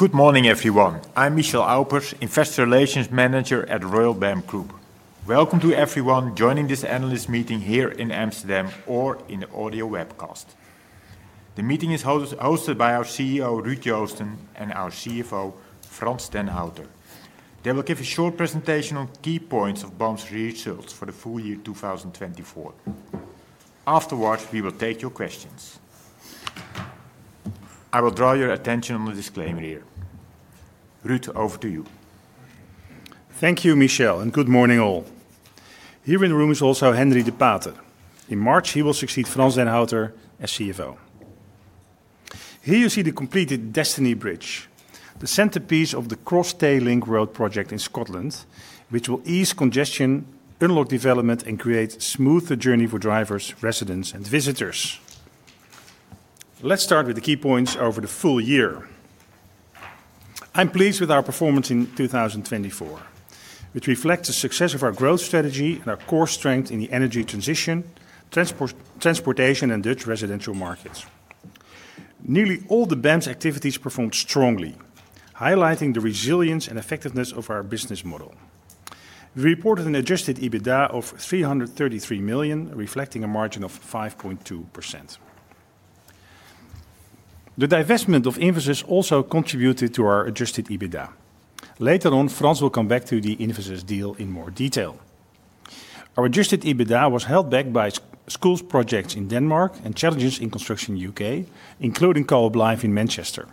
Good morning, everyone. I'm Michel Aupers, Investor Relations Manager at Royal BAM Group. Welcome to everyone joining this analyst meeting here in Amsterdam or in the audio webcast. The meeting is hosted by our CEO, Ruud Joosten, and our CFO, Frans den Houter. They will give a short presentation on key points of BAM's results for the full year 2024. Afterwards, we will take your questions. I will draw your attention to the disclaimer here. Ruud, over to you. Thank you, Michel, and good morning, all. Here in the room is also Henri de Pater. In March, he will succeed Frans den Houter as CFO. Here you see the completed Destiny Bridge, the centerpiece of the Cross Tay Link Road project in Scotland, which will ease congestion, unlock development, and create a smoother journey for drivers, residents, and visitors. Let's start with the key points over the full year. I'm pleased with our performance in 2024, which reflects the success of our growth strategy and our core strength in the energy transition, transportation, and Dutch residential markets. Nearly all the BAM's activities performed strongly, highlighting the resilience and effectiveness of our business model. We reported an adjusted EBITDA of 333 million, reflecting a margin of 5.2%. The divestment of Infosys also contributed to our adjusted EBITDA. Later on, Frans will come back to the Infosys deal in more detail. Our adjusted EBITDA was held back by schools' projects in Denmark and challenges in construction in the UK, including Co-opLive in Manchester.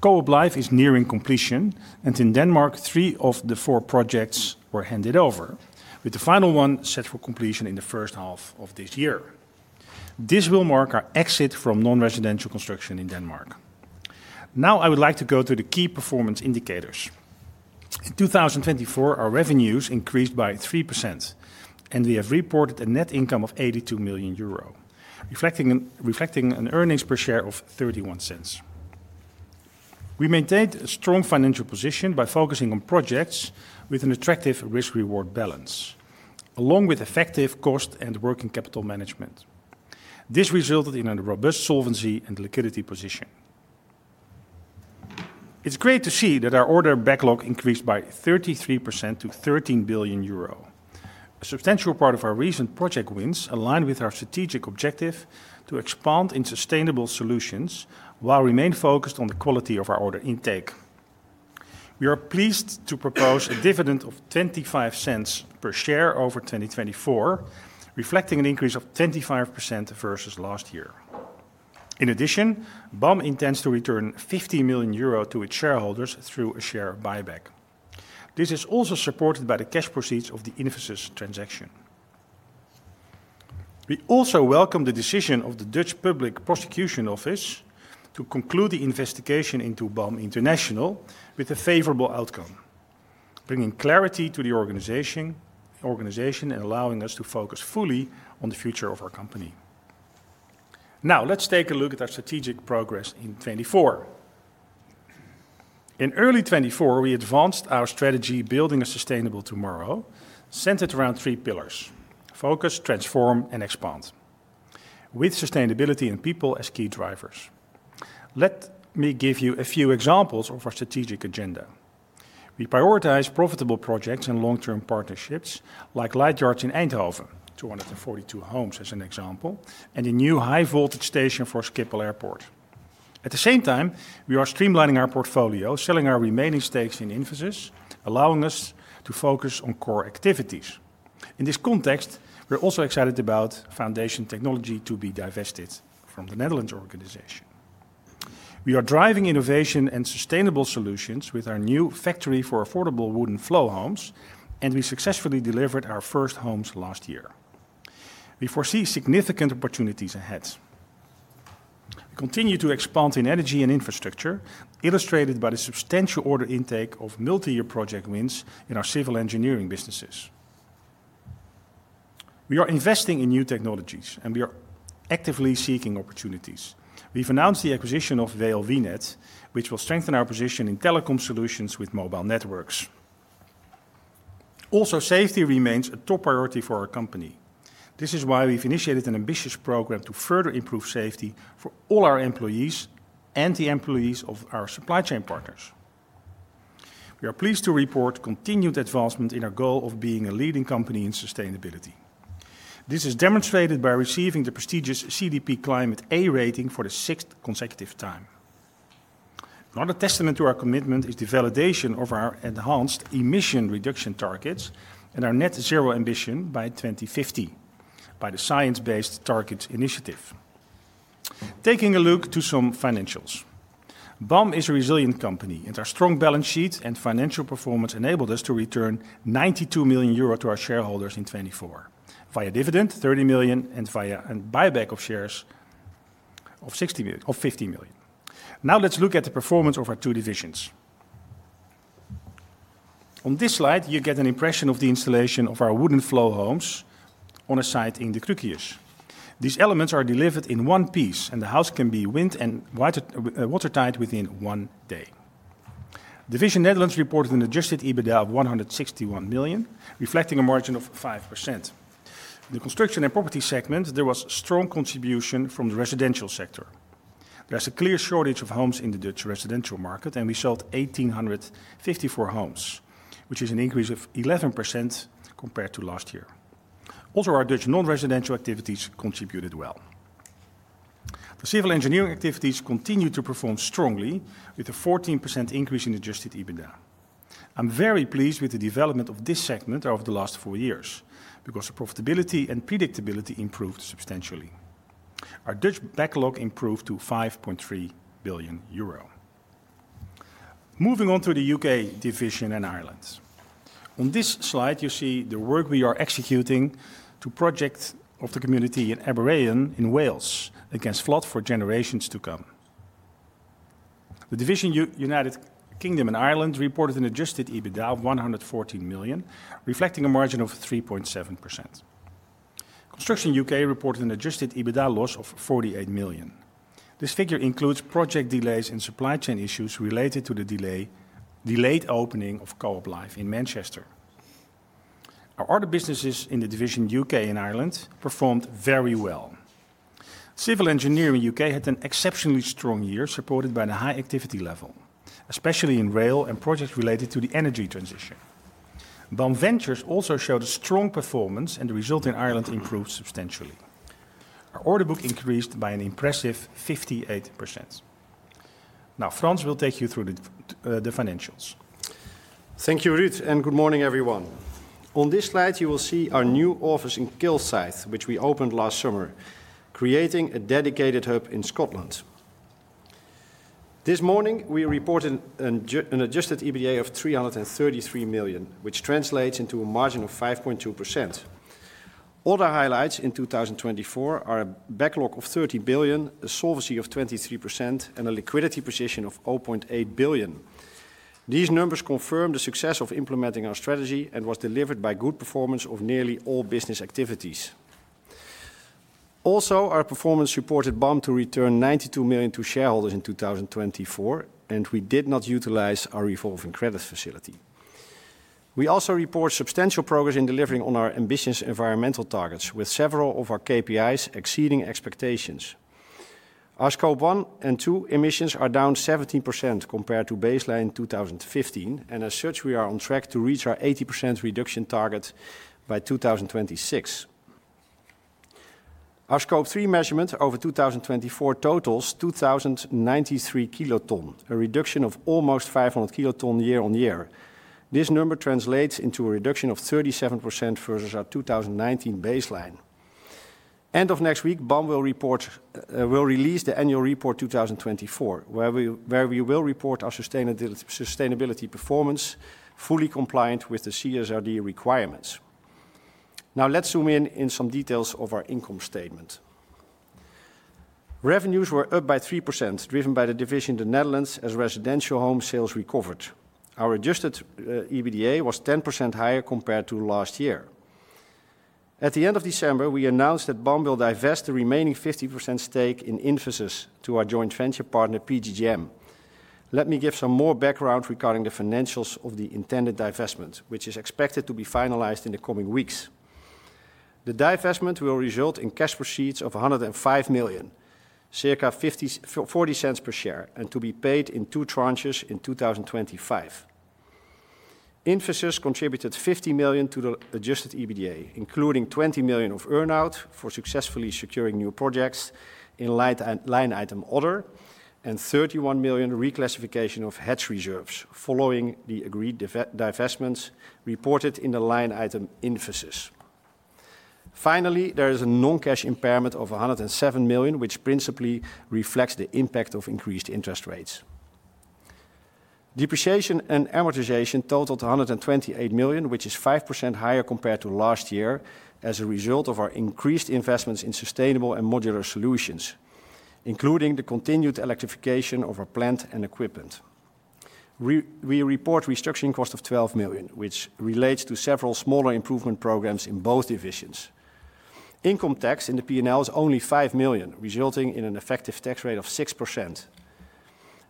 Co-op Live is nearing completion, and in Denmark, three of the four projects were handed over, with the final one set for completion in the first half of this year. This will mark our exit from non-residential construction in Denmark. Now, I would like to go to the key performance indicators. In 2024, our revenues increased by 3%, and we have reported a net income of 82 million euro, reflecting an earnings per share of 0.31. We maintained a strong financial position by focusing on projects with an attractive risk-reward balance, along with effective cost and working capital management. This resulted in a robust solvency and liquidity position. It's great to see that our order backlog increased by 33% to 13 billion euro. A substantial part of our recent project wins aligned with our strategic objective to expand in sustainable solutions while remaining focused on the quality of our order intake. We are pleased to propose a dividend of 25 cents per share over 2024, reflecting an increase of 25% versus last year. In addition, BAM intends to return 50 million euro to its shareholders through a share buyback. This is also supported by the cash proceeds of the Infosys transaction. We also welcome the decision of the Dutch Public Prosecution Office to conclude the investigation into BAM International with a favorable outcome, bringing clarity to the organization and allowing us to focus fully on the future of our company. Now, let's take a look at our strategic progress in 2024. In early 2024, we advanced our strategy Building a Sustainable Tomorrow, centered around three pillars: Focus, Transform, and Expand, with sustainability and people as key drivers. Let me give you a few examples of our strategic agenda. We prioritize profitable projects and long-term partnerships, like Lightyards in Eindhoven, 242 homes as an example, and a new high-voltage station for Schiphol Airport. At the same time, we are streamlining our portfolio, selling our remaining stakes in Infosys, allowing us to focus on core activities. In this context, we're also excited about foundation technology to be divested from the Netherlands organization. We are driving innovation and sustainable solutions with our new factory for affordable wooden flow homes, and we successfully delivered our first homes last year. We foresee significant opportunities ahead. We continue to expand in energy and infrastructure, illustrated by the substantial order intake of multi-year project wins in our civil engineering businesses. We are investing in new technologies, and we are actively seeking opportunities. We've announced the acquisition of VLV-Net, which will strengthen our position in telecom solutions with mobile networks. Also, safety remains a top priority for our company. This is why we've initiated an ambitious program to further improve safety for all our employees and the employees of our supply chain partners. We are pleased to report continued advancement in our goal of being a leading company in sustainability. This is demonstrated by receiving the prestigious CDP Climate A rating for the sixth consecutive time. Another testament to our commitment is the validation of our enhanced emission reduction targets and our net zero ambition by 2050 by the Science Based Targets Initiative. Taking a look at some financials, BAM is a resilient company, and our strong balance sheet and financial performance enabled us to return 92 million euro to our shareholders in 2024 via dividend, 30 million, and via buyback of shares of 15 million. Now, let's look at the performance of our two divisions. On this slide, you get an impression of the installation of our wooden flow homes on a site in the Cruquius. These elements are delivered in one piece, and the house can be wind and watertight within one day. Division Netherlands reported an adjusted EBITDA of 161 million, reflecting a margin of 5%. In the construction and property segment, there was a strong contribution from the residential sector. There is a clear shortage of homes in the Dutch residential market, and we sold 1,854 homes, which is an increase of 11% compared to last year. Also, our Dutch non-residential activities contributed well. The civil engineering activities continue to perform strongly, with a 14% increase in adjusted EBITDA. I'm very pleased with the development of this segment over the last four years because profitability and predictability improved substantially. Our Dutch backlog improved to 5.3 billion euro. Moving on to the UK division and Ireland. On this slide, you see the work we are executing to protect projects of the community in Aberaeron in Wales against flood for generations to come. The division United Kingdom and Ireland reported an adjusted EBITDA of 114 million, reflecting a margin of 3.7%. Construction UK reported an adjusted EBITDA loss of 48 million. This figure includes project delays and supply chain issues related to the delayed opening of CoopLife in Manchester. Our other businesses in the division UK and Ireland performed very well. Civil engineering UK had an exceptionally strong year, supported by the high activity level, especially in rail and projects related to the energy transition. BAM Ventures also showed a strong performance, and the result in Ireland improved substantially. Our order book increased by an impressive 58%. Now, Frans will take you through the financials. Thank you, Ruud, and good morning, everyone. On this slide, you will see our new office in Kilsyth, which we opened last summer, creating a dedicated hub in Scotland. This morning, we reported an adjusted EBITDA of 333 million, which translates into a margin of 5.2%. All the highlights in 2024 are a backlog of 30 billion, a solvency of 23%, and a liquidity position of 0.8 billion. These numbers confirm the success of implementing our strategy and were delivered by good performance of nearly all business activities. Also, our performance supported BAM to return 92 million to shareholders in 2024, and we did not utilize our revolving credit facility. We also report substantial progress in delivering on our ambitious environmental targets, with several of our KPIs exceeding expectations. Our scope one and two emissions are down 17% compared to baseline in 2015, and as such, we are on track to reach our 80% reduction target by 2026. Our scope three measurement over 2024 totals 2,093 kilotons, a reduction of almost 500 kilotons year-on-year. This number translates into a reduction of 37% versus our 2019 baseline. End of next week, BAM will release the annual report 2024, where we will report our sustainability performance fully compliant with the CSRD requirements. Now, let's zoom in on some details of our income statement. Revenues were up by 3%, driven by the division in the Netherlands as residential home sales recovered. Our adjusted EBITDA was 10% higher compared to last year. At the end of December, we announced that BAM will divest the remaining 50% stake in Infosys to our joint venture partner, PGGM. Let me give some more background regarding the financials of the intended divestment, which is expected to be finalized in the coming weeks. The divestment will result in cash proceeds of 105 million, circa 0.40 per share, and to be paid in two tranches in 2025. Infosys contributed 50 million to the adjusted EBITDA, including 20 million of earnout for successfully securing new projects in line item order and 31 million reclassification of hedge reserves following the agreed divestments reported in the line item Infosys. Finally, there is a non-cash impairment of 107 million, which principally reflects the impact of increased interest rates. Depreciation and amortization totaled 128 million, which is 5% higher compared to last year as a result of our increased investments in sustainable and modular solutions, including the continued electrification of our plant and equipment. We report restructuring cost of 12 million, which relates to several smaller improvement programs in both divisions. Income tax in the P&L is only 5 million, resulting in an effective tax rate of 6%.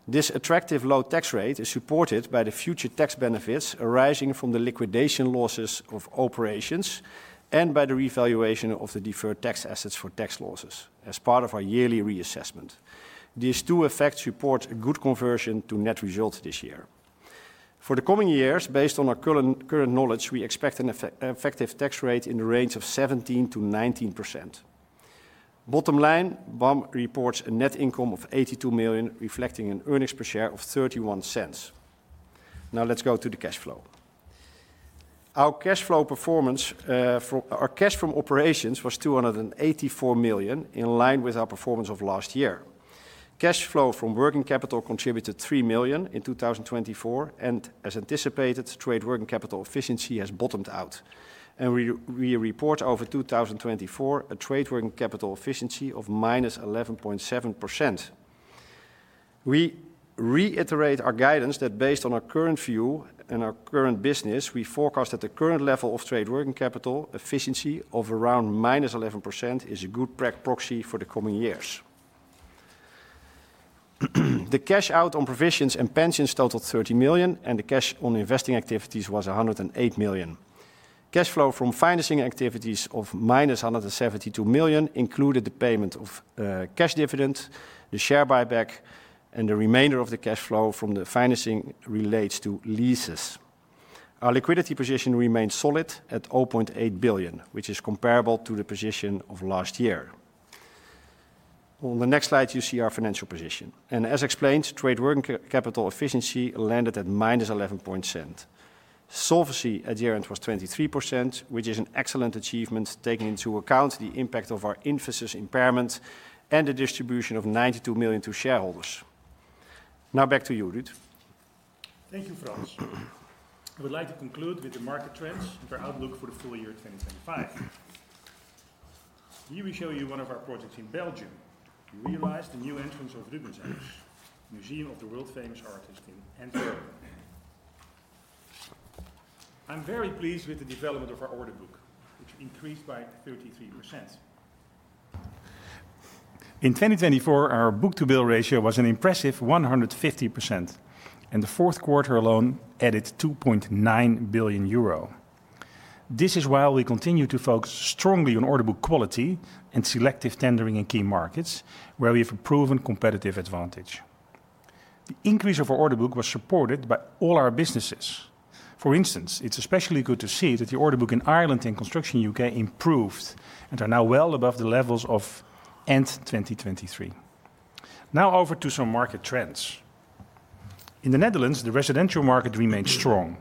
This attractive low tax rate is supported by the future tax benefits arising from the liquidation losses of operations and by the revaluation of the deferred tax assets for tax losses as part of our yearly reassessment. These two effects support a good conversion to net result this year. For the coming years, based on our current knowledge, we expect an effective tax rate in the range of 17% to 19%. Bottom line, BAM reports a net income of 82 million, reflecting an earnings per share of 0.31. Now, let's go to the cash flow. Our cash flow performance for our cash from operations was 284 million, in line with our performance of last year. Cash flow from working capital contributed 3 million in 2024, and as anticipated, trade working capital efficiency has bottomed out. We report over 2024 a trade working capital efficiency of -11.7%. We reiterate our guidance that based on our current view and our current business, we forecast that the current level of trade working capital efficiency of around -11% is a good proxy for the coming years. The cash out on provisions and pensions totaled 30 million, and the cash on investing activities was 108 million. Cash flow from financing activities of -172 million included the payment of cash dividend, the share buyback, and the remainder of the cash flow from the financing relates to leases. Our liquidity position remained solid at 0.8 billion, which is comparable to the position of last year. On the next slide, you see our financial position. As explained, trade working capital efficiency landed at -11%. Solvency adherent was 23%, which is an excellent achievement taking into account the impact of our Infosys impairment and the distribution of 92 million to shareholders. Back to you, Ruud. Thank you, Frans. I would like to conclude with the market trends and our outlook for the full year 2025. Here we show you one of our projects in Belgium. We realized the new entrance of Rubenshuis, Museum of the World Famous Artist in Antwerp. I'm very pleased with the development of our order book, which increased by 33%. In 2024, our book-to-bill ratio was an impressive 150%, and the fourth quarter alone added 2.9 billion euro. This is while we continue to focus strongly on order book quality and selective tendering in key markets, where we have a proven competitive advantage. The increase of our order book was supported by all our businesses. For instance, it's especially good to see that the order book in Ireland and construction in the UK improved and are now well above the levels of end 2023. Now, over to some market trends. In the Netherlands, the residential market remained strong,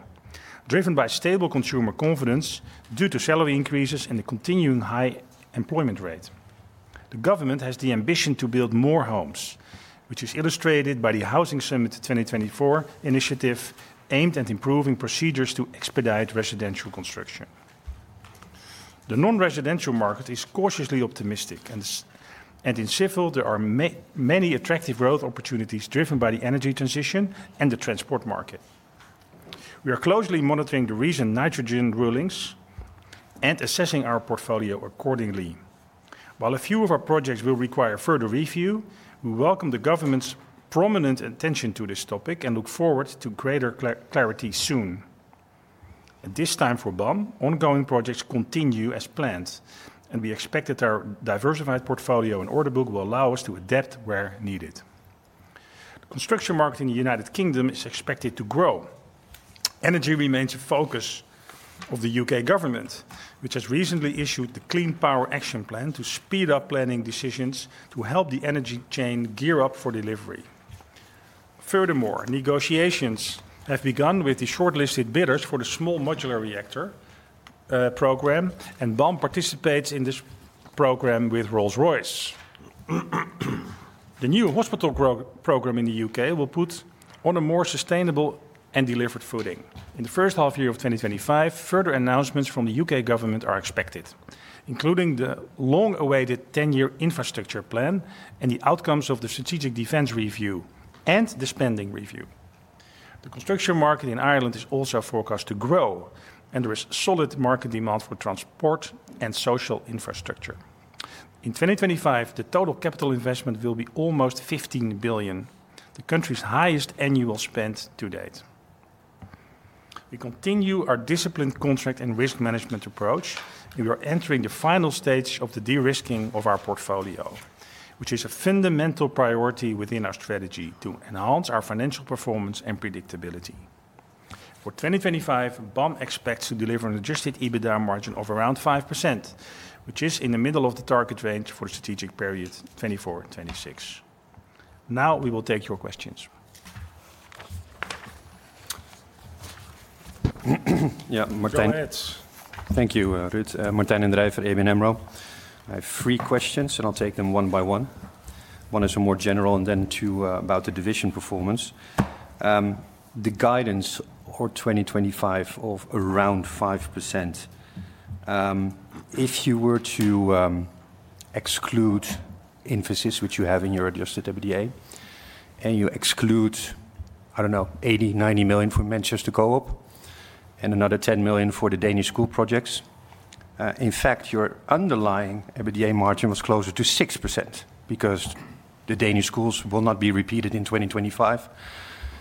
driven by stable consumer confidence due to salary increases and the continuing high employment rate. The government has the ambition to build more homes, which is illustrated by the Housing Summit 2024 initiative aimed at improving procedures to expedite residential construction. The non-residential market is cautiously optimistic, and in civil, there are many attractive growth opportunities driven by the energy transition and the transport market. We are closely monitoring the recent nitrogen rulings and assessing our portfolio accordingly. While a few of our projects will require further review, we welcome the government's prominent attention to this topic and look forward to greater clarity soon. At this time for BAM, ongoing projects continue as planned, and we expect that our diversified portfolio and order book will allow us to adapt where needed. The construction market in the United Kingdom is expected to grow. Energy remains a focus of the UK government, which has recently issued the Clean Power Action Plan to speed up planning decisions to help the energy chain gear up for delivery. Furthermore, negotiations have begun with the shortlisted bidders for the small modular reactor program, and BAM participates in this program with Rolls-Royce. The new hospital program in the UK will be put on a more sustainable and delivered footing. In the first half year of 2025, further announcements from the UK government are expected, including the long-awaited 10-year infrastructure plan and the outcomes of the strategic defense review and the spending review. The construction market in Ireland is also forecast to grow, and there is solid market demand for transport and social infrastructure. In 2025, the total capital investment will be almost 15 billion, the country's highest annual spend to date. We continue our disciplined contract and risk management approach, and we are entering the final stage of the de-risking of our portfolio, which is a fundamental priority within our strategy to enhance our financial performance and predictability. For 2025, BAM expects to deliver an adjusted EBITDA margin of around 5%, which is in the middle of the target range for the strategic period 24-26. Now, we will take your questions. Yes, Martijn. Go ahead. Thank you, Ruud. Martijn Den Drijver, ABN AMRO. I have three questions, and I'll take them one by one. One is more general and then two about the division performance. The guidance for 2025 of around 5%, if you were to exclude Infosys, which you have in your adjusted EBITDA, and you exclude, I don't know, 80, 90 million for Manchester Co-op and another 10 million for the Danish school projects, in fact, your underlying EBITDA margin was closer to 6% because the Danish schools will not be repeated in 2025,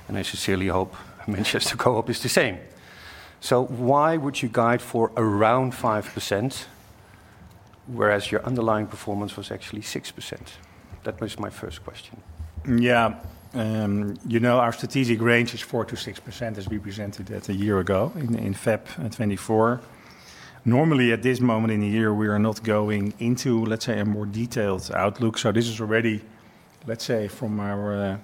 and I sincerely hope Manchester Co-op is the same. So why would you guide for around 5%, whereas your underlying performance was actually 6%? That was my first question. You know, our strategic range is 4% to 6%, as we presented that a year ago in Feb 24. Normally, at this moment in the year, we are not going into a more detailed outlook. This is already, from our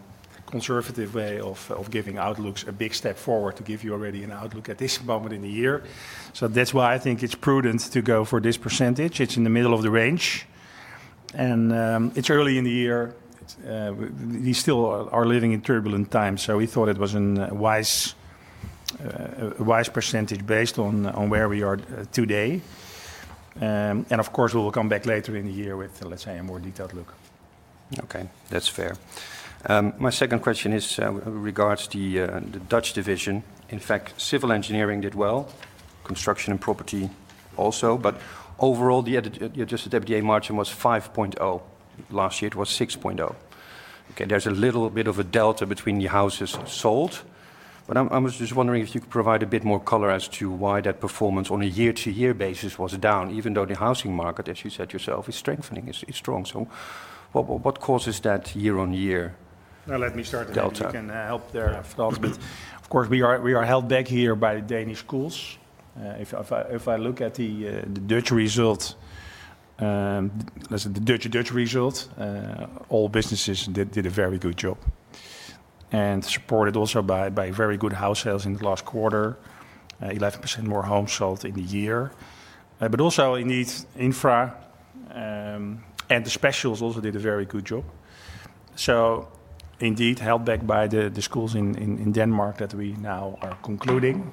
conservative way of giving outlooks, a big step forward to give you already an outlook at this moment in the year. That's why I think it's prudent to go for this percentage. It's in the middle of the range, and it's early in the year. We still are living in turbulent times, so we thought it was a wise percentage based on where we are today. Of course, we will come back later in the year with a more detailed look. Okay, that's fair. My second question is regarding the Dutch division. In fact, civil engineering did well, construction and property also, but overall, the adjusted EBITDA margin was 5.0%. Last year, it was 6.0%. Okay, there's a little bit of a delta between the houses sold, but I was just wondering if you could provide a bit more color as to why that performance on a year-to-year basis was down, even though the housing market, as you said yourself, is strengthening, is strong. So what causes that year-on-year delta? Now, let me start there. I can help there. Of course, we are held back here by Danish schools. If I look at the Dutch result, the Dutch result, all businesses did a very good job and supported also by very good house sales in the last quarter, 11% more homes sold in the year. But also indeed infra and the specials also did a very good job. So indeed held back by the schools in Denmark that we now are concluding.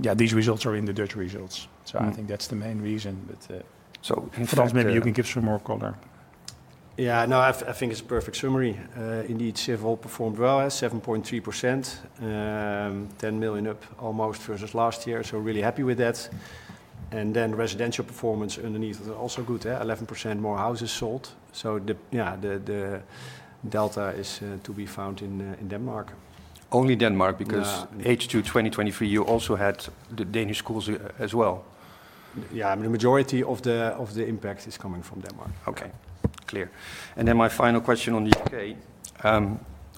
Yeah, these results are in the Dutch results. So I think that's the main reason. Frans, maybe you can give some more color. Yeah, no, I think it's a perfect summary. Indeed, Civil performed well, 7.3%, 10 million up almost versus last year, so really happy with that. Residential performance underneath was also good, 11% more houses sold. So yeah, the delta is to be found in Denmark. Only Denmark because H2 2023, you also had the Danish schools as well. Yeah, I mean the majority of the impact is coming from Denmark. Okay, clear. And then my final question on the UK,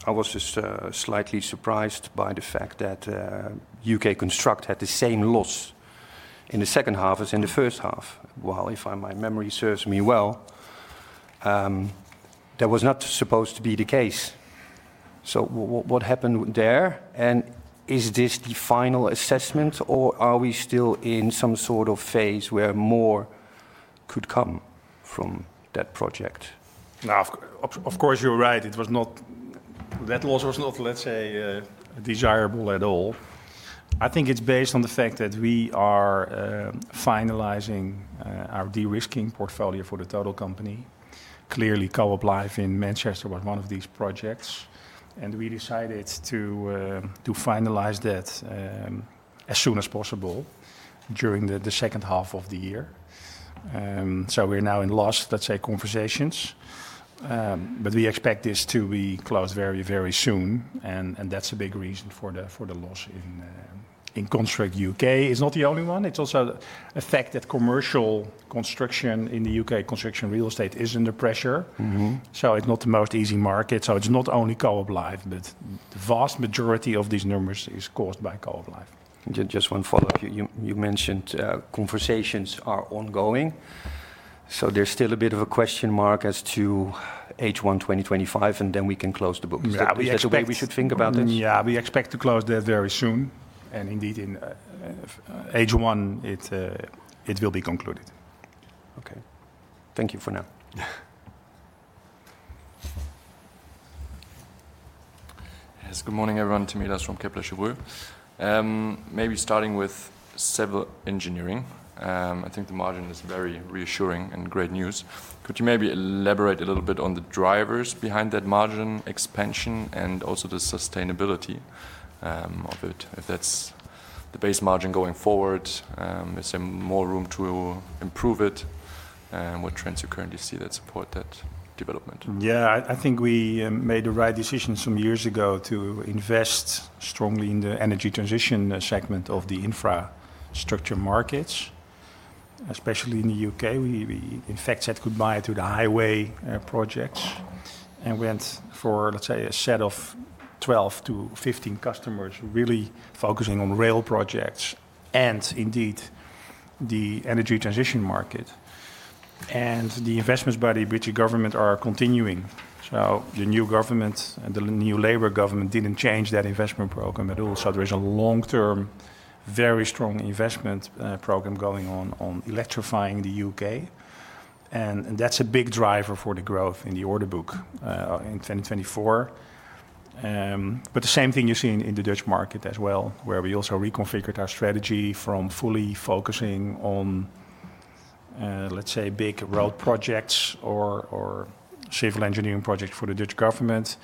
I was just slightly surprised by the fact that UK Construct had the same loss in the second half as in the first half, while if my memory serves me well, that was not supposed to be the case. So what happened there? And is this the final assessment, or are we still in some sort of phase where more could come from that project? Now, of course, you're right. It was not that loss was not, let's say, desirable at all. I think it's based on the fact that we are finalizing our de-risking portfolio for the total company. Clearly, CoopLife in Manchester was one of these projects, and we decided to finalize that as soon as possible during the second half of the year. So we're now in loss, let's say, conversations, but we expect this to be closed very, very soon, and that's a big reason for the loss in Construct UK. It's not the only one. It's also a fact that commercial construction in the UK, construction real estate, is under pressure. So it's not the most easy market. It's not only CoopLife, but the vast majority of these numbers is caused by CoopLife. Just one follow-up. You mentioned conversations are ongoing, so there's still a bit of a question mark as to H1 2025, and then we can close the book. Yeah, we should think about this. Yeah, we expect to close that very soon, and indeed in H1, it will be concluded. Okay, thank you for now. Good morning, everyone. Tim Ehlers from Kepler Cheuvreux. Maybe starting with civil engineering, I think the margin is very reassuring and great news. Could you maybe elaborate a little bit on the drivers behind that margin expansion and also the sustainability of it? If that's the base margin going forward, is there more room to improve it? What trends you currently see that support that development? Yeah, I think we made the right decision some years ago to invest strongly in the energy transition segment of the infrastructure markets, especially in the UK. We, in fact, said goodbye to the highway projects and went for, let's say, a set of 12 to 15 customers really focusing on rail projects and indeed the energy transition market. The investments by the British government are continuing. So the new government and the new Labour government didn't change that investment program at all. So there is a long-term, very strong investment program going on on electrifying the UK, and that's a big driver for the growth in the order book in 2024. The same thing you see in the Dutch market as well, where we also reconfigured our strategy from fully focusing on big road projects or civil engineering projects for the Dutch government,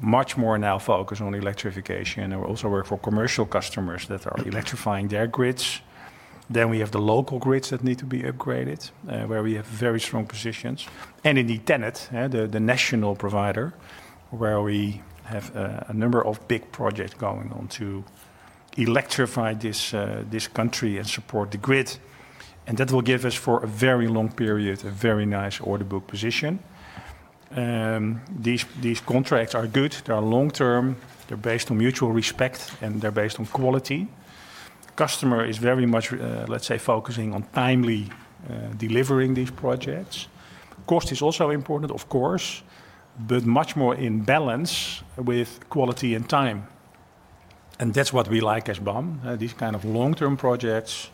much more now focused on electrification. We also work for commercial customers that are electrifying their grids. Then we have the local grids that need to be upgraded, where we have very strong positions. Indeed, TenneT, the national provider, where we have a number of big projects going on to electrify this country and support the grid. That will give us, for a very long period, a very nice order book position. These contracts are good. They are long-term. They're based on mutual respect, and they're based on quality. Customer is very much focusing on timely delivering these projects. Cost is also important, of course, but much more in balance with quality and time. That's what we like as BAM, these kind of long-term projects,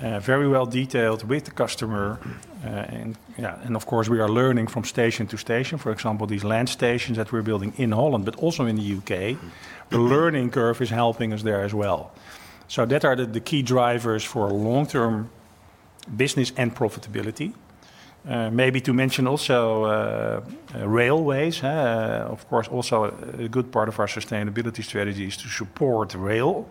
very well detailed with the customer. Of course, we are learning from station to station. For example, these land stations that we're building in Holland, but also in the UK, the learning curve is helping us there as well. Those are the key drivers for long-term business and profitability. Maybe to mention also railways. Of course, also a good part of our sustainability strategy is to support rail,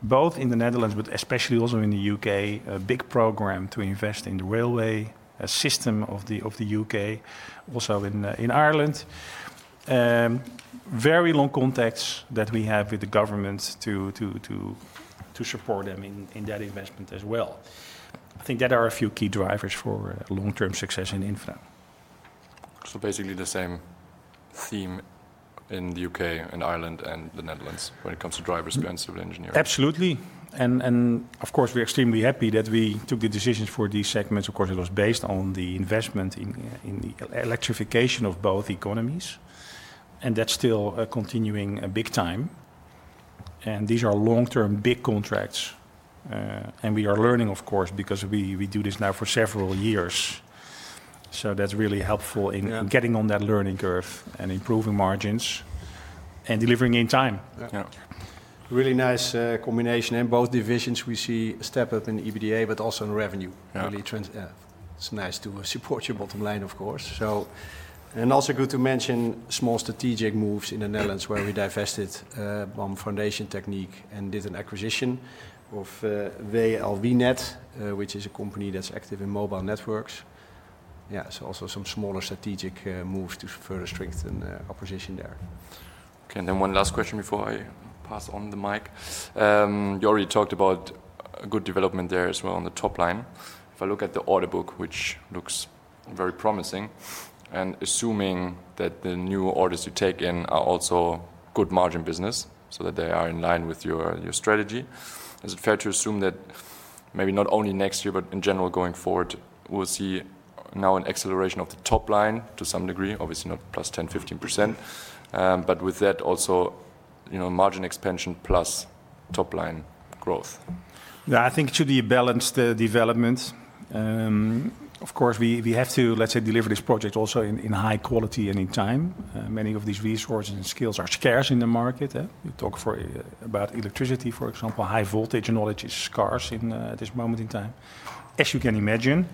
both in the Netherlands, but especially also in the UK, a big program to invest in the railway system of the UK, also in Ireland. Very long contracts that we have with the government to support them in that investment as well. I think that there are a few key drivers for long-term success in infra. Basically the same theme in the UK and Ireland and the Netherlands when it comes to drivers beyond civil engineering. Absolutely. Of course, we're extremely happy that we took the decisions for these segments. Of course, it was based on the investment in the electrification of both economies, and that's still continuing big time. These are long-term big contracts, and we are learning, of course, because we do this now for several years. So that's really helpful in getting on that learning curve and improving margins and delivering in time. Really nice combination. Both divisions, we see a step up in EBITDA, but also in revenue. It's nice to support your bottom line, of course. Also good to mention small strategic moves in the Netherlands, where we divested BAM Foundation Technique and did an acquisition of VLVNet, which is a company that's active in mobile networks. So also some smaller strategic moves to further strengthen our position there. One last question before I pass on the mic. You already talked about good development there as well on the top line. If I look at the order book, which looks very promising, and assuming that the new orders you take in are also good margin business, so that they are in line with your strategy, is it fair to assume that maybe not only next year, but in general going forward, we'll see now an acceleration of the top line to some degree, obviously not plus 10-15%, but with that also margin expansion plus top line growth? Yeah, I think it should be a balanced development. Of course, we have to deliver this project also in high quality and in time. Many of these resources and skills are scarce in the market. You talk about electricity, for example, high voltage knowledge is scarce at this moment in time, as you can imagine.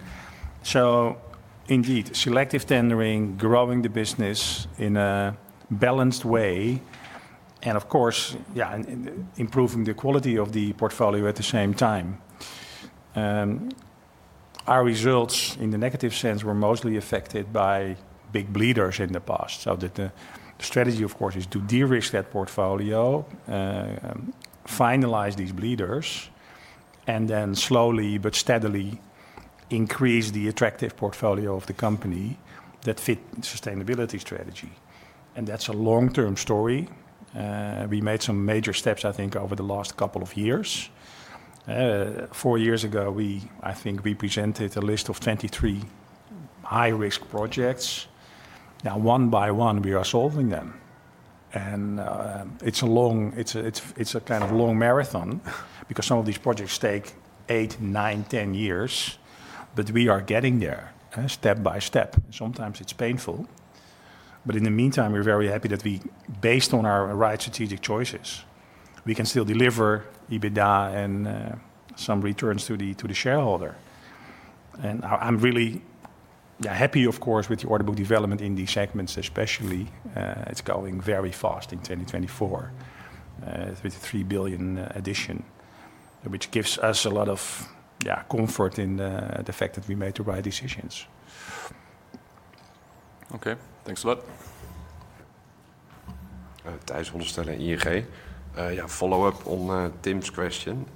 Indeed, selective tendering, growing the business in a balanced way, and of course, improving the quality of the portfolio at the same time. Our results in the negative sense were mostly affected by big bleeders in the past. The strategy, of course, is to de-risk that portfolio, finalize these bleeders, and then slowly but steadily increase the attractive portfolio of the company that fit the sustainability strategy. That's a long-term story. We made some major steps, I think, over the last couple of years. Four years ago, I think we presented a list of 23 high-risk projects. Now, one by one, we are solving them. It's a kind of long marathon because some of these projects take eight, nine, 10 years, but we are getting there step by step. Sometimes it's painful, but in the meantime, we're very happy that we, based on our right strategic choices, can still deliver EBITDA and some returns to the shareholder. I'm really happy, of course, with the order book development in these segments, especially it's going very fast in 2024 with the 3 billion addition, which gives us a lot of comfort in the fact that we made the right decisions. Okay, thanks a lot. Thijs Holstele, ING. Yeah, follow-up on Tim's question.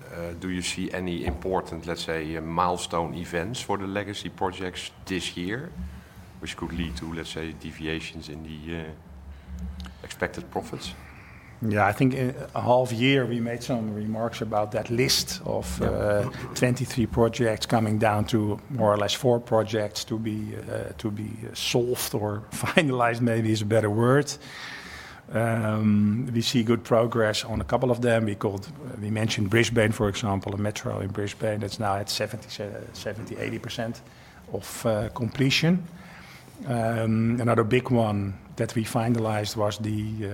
Do you see any important, let's say, milestone events for the legacy projects this year, which could lead to, let's say, deviations in the expected profits? Yeah, I think about half a year ago we made some remarks about that list of 23 projects coming down to more or less four projects to be solved or finalized, maybe is a better word. We see good progress on a couple of them. We mentioned Brisbane, for example, a metro in Brisbane that's now at 70%-80% of completion. Another big one that we finalized was the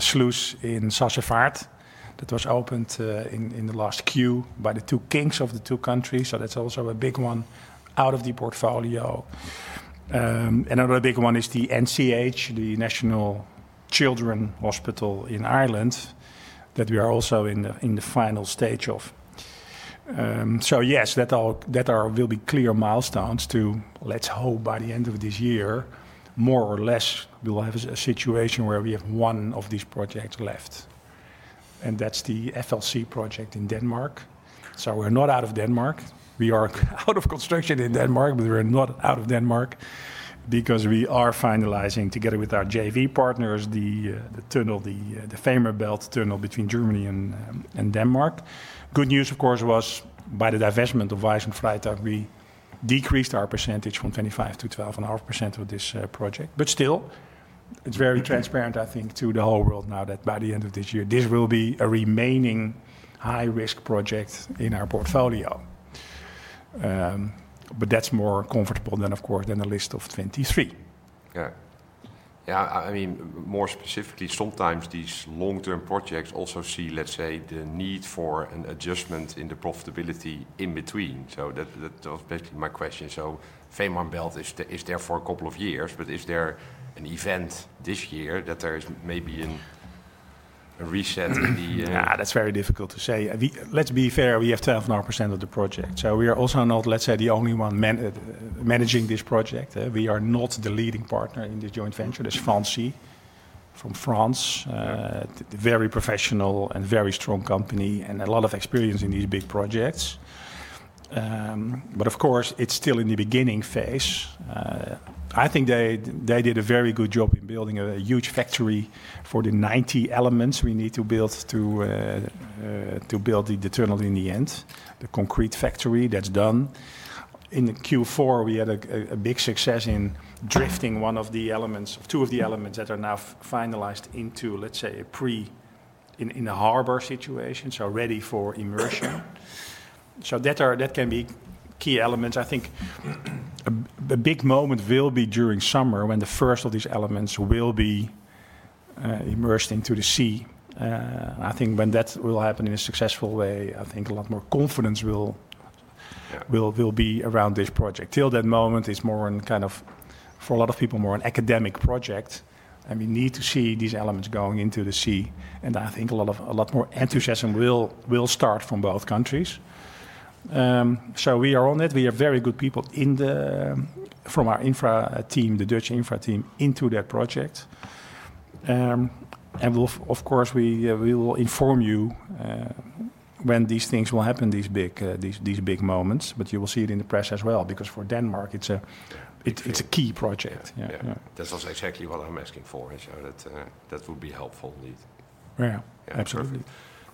sluice in Zeebrugge that was opened in the last quarter by the two kings of the two countries. So that's also a big one out of the portfolio. Another big one is the NCH, the National Children's Hospital in Ireland, that we are also in the final stage of. So yes, that will be clear milestones to, let's hope by the end of this year, more or less, we'll have a situation where we have one of these projects left. That's the FLC project in Denmark. We're not out of Denmark. We are out of construction in Denmark, but we're not out of Denmark because we are finalizing together with our JV partners the tunnel, the Fehmarn Belt tunnel between Germany and Denmark. Good news, of course, was by the divestment of Wayss & Freytag, we decreased our percentage from 25% to 12.5% of this project. Still, it's very transparent, I think, to the whole world now that by the end of this year, this will be a remaining high-risk project in our portfolio. That's more comfortable than, of course, than a list of 23. Yeah, yeah, I mean, more specifically, sometimes these long-term projects also see, let's say, the need for an adjustment in the profitability in between. That was basically my question. Fehmarn Belt is there for a couple of years, but is there an event this year that there is maybe a reset in the? Yeah, that's very difficult to say. Let's be fair, we have 12.5% of the project. So we are also not, let's say, the only one managing this project. We are not the leading partner in this joint venture. There's Fancy from France, a very professional and very strong company and a lot of experience in these big projects. But of course, it's still in the beginning phase. I think they did a very good job in building a huge factory for the 90 elements we need to build to build the tunnel in the end, the concrete factory that's done. In Q4, we had a big success in drifting one of the elements, two of the elements that are now finalized into, let's say, a pre in a harbor situation, so ready for immersion. So that can be key elements. I think a big moment will be during summer when the first of these elements will be immersed into the sea. I think when that will happen in a successful way, I think a lot more confidence will be around this project. Till that moment, it's more kind of, for a lot of people, more an academic project. We need to see these elements going into the sea. I think a lot more enthusiasm will start from both countries. So we are on it. We have very good people from our infra team, the Dutch infra team, into that project. Of course, we will inform you when these things will happen, these big moments, but you will see it in the press as well because for Denmark, it's a key project. Yeah, that's also exactly what I'm asking for. That would be helpful indeed. Yeah, absolutely.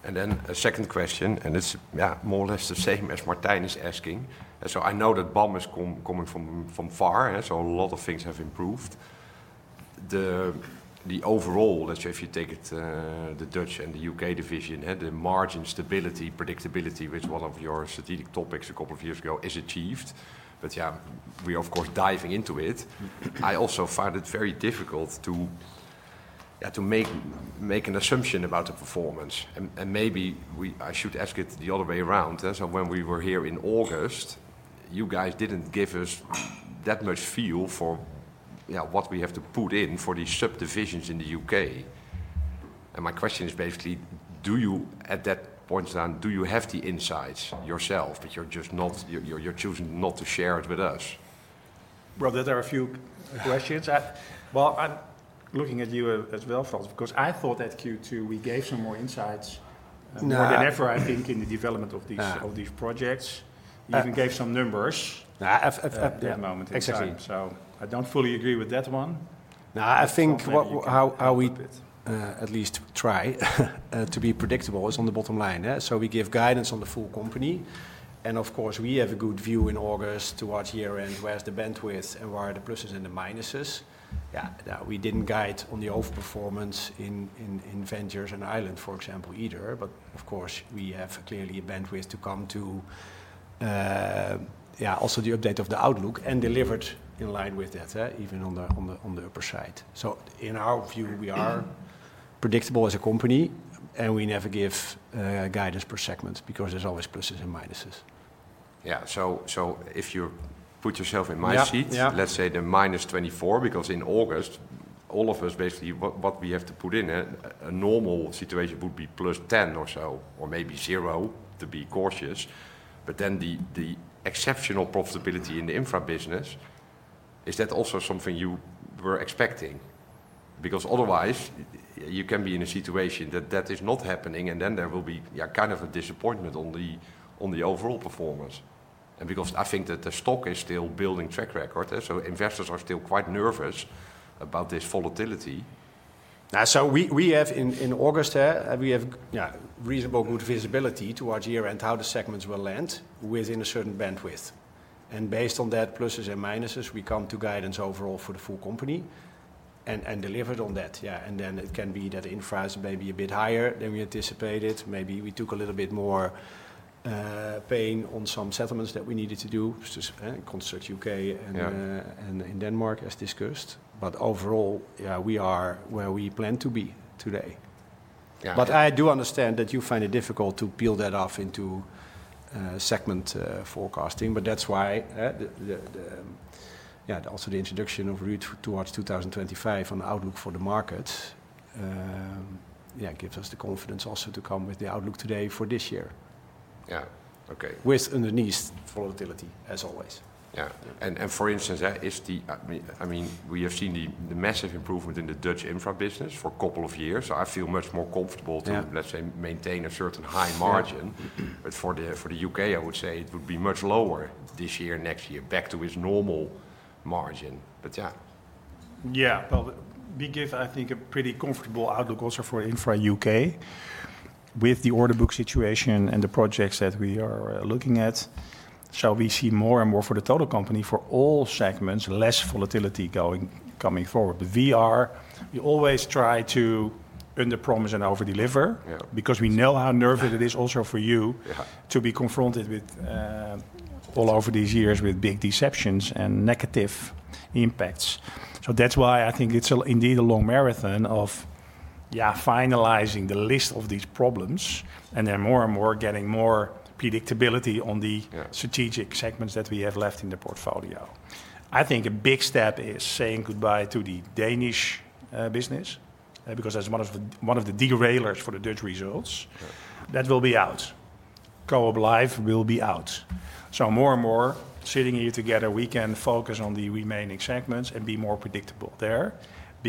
A second question, and it's more or less the same as Martin is asking. I know that BAM is coming from far, so a lot of things have improved. The overall, let's say, if you take the Dutch and the UK division, the margin stability, predictability, which was one of your strategic topics a couple of years ago, is achieved. But we are, of course, diving into it. I also find it very difficult to make an assumption about the performance. Maybe I should ask it the other way around. When we were here in August, you guys didn't give us that much feel for what we have to put in for these subdivisions in the UK. My question is basically, do you, at that point in time, do you have the insights yourself, but you're just not, you're choosing not to share it with us? There are a few questions. I'm looking at you as well, Frans, because I thought that Q2, we gave some more insights more than ever, I think, in the development of these projects. You even gave some numbers. At that moment, exactly. Exactly. I don't fully agree with that one. o, I think how we at least try to be predictable is on the bottom line. So we give guidance on the full company. And of course, we have a good view in August towards year-end, where's the bandwidth and where are the pluses and the minuses. Yeah, we didn't guide on the overperformance in ventures and Ireland, for example, either. But of course, we have clearly a bandwidth to come to also the update of the outlook and delivered in line with that, even on the upper side. So in our view, we are predictable as a company, and we never give guidance per segment because there's always pluses and minuses. Yeah, so if you put yourself in my seat, let's say the -24%, because in August, all of us, basically what we have to put in a normal situation would be plus 10% or so, or maybe 0% to be cautious. But then the exceptional profitability in the infra business, is that also something you were expecting? Because otherwise, you can be in a situation that that is not happening, and then there will be kind of a disappointment on the overall performance. Because I think that the stock is still building track record, so investors are still quite nervous about this volatility. Yeah, so we have in August, we have reasonably good visibility towards year-end how the segments will land within a certain bandwidth. Based on that pluses and minuses, we come to guidance overall for the full company and delivered on that. Yeah, and then it can be that infra is maybe a bit higher than we anticipated. Maybe we took a little bit more pain on some settlements that we needed to do, construct UK and in Denmark, as discussed. But overall, yeah, we are where we plan to be today. But I do understand that you find it difficult to peel that off into segment forecasting, but that's why also the introduction of REIT towards 2025 on the outlook for the market, yeah, gives us the confidence also to come with the outlook today for this year. Yeah, okay. With underlying volatility, as always. Yeah, and for instance, if the, I mean, we have seen the massive improvement in the Dutch infra business for a couple of years, so I feel much more comfortable to, let's say, maintain a certain high margin. But for the UK, I would say it would be much lower this year, next year, back to its normal margin. But yeah. Well, we give, I think, a pretty comfortable outlook also for infra UK with the order book situation and the projects that we are looking at. So we see more and more for the total company for all segments, less volatility going forward. But we always try to underpromise and overdeliver because we know how nervous it is also for you to be confronted with all over these years with big deceptions and negative impacts. So that's why I think it's indeed a long marathon of finalizing the list of these problems and then more and more getting more predictability on the strategic segments that we have left in the portfolio. I think a big step is saying goodbye to the Danish business because that's one of the derailers for the Dutch results. That will be out. CoopLife will be out. More and more sitting here together, we can focus on the remaining segments and be more predictable there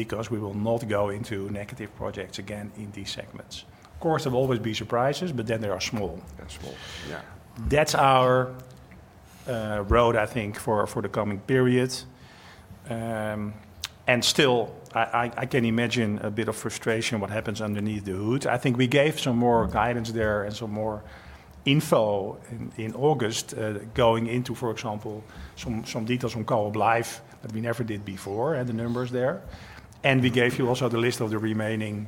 because we will not go into negative projects again in these segments. Of course, there will always be surprises, but then they are small. They're small. Yeah. That's our road, I think, for the coming period. Still, I can imagine a bit of frustration what happens underneath the hood. I think we gave some more guidance there and some more info in August going into, for example, some details on CoopLife that we never did before and the numbers there. We gave you also the list of the remaining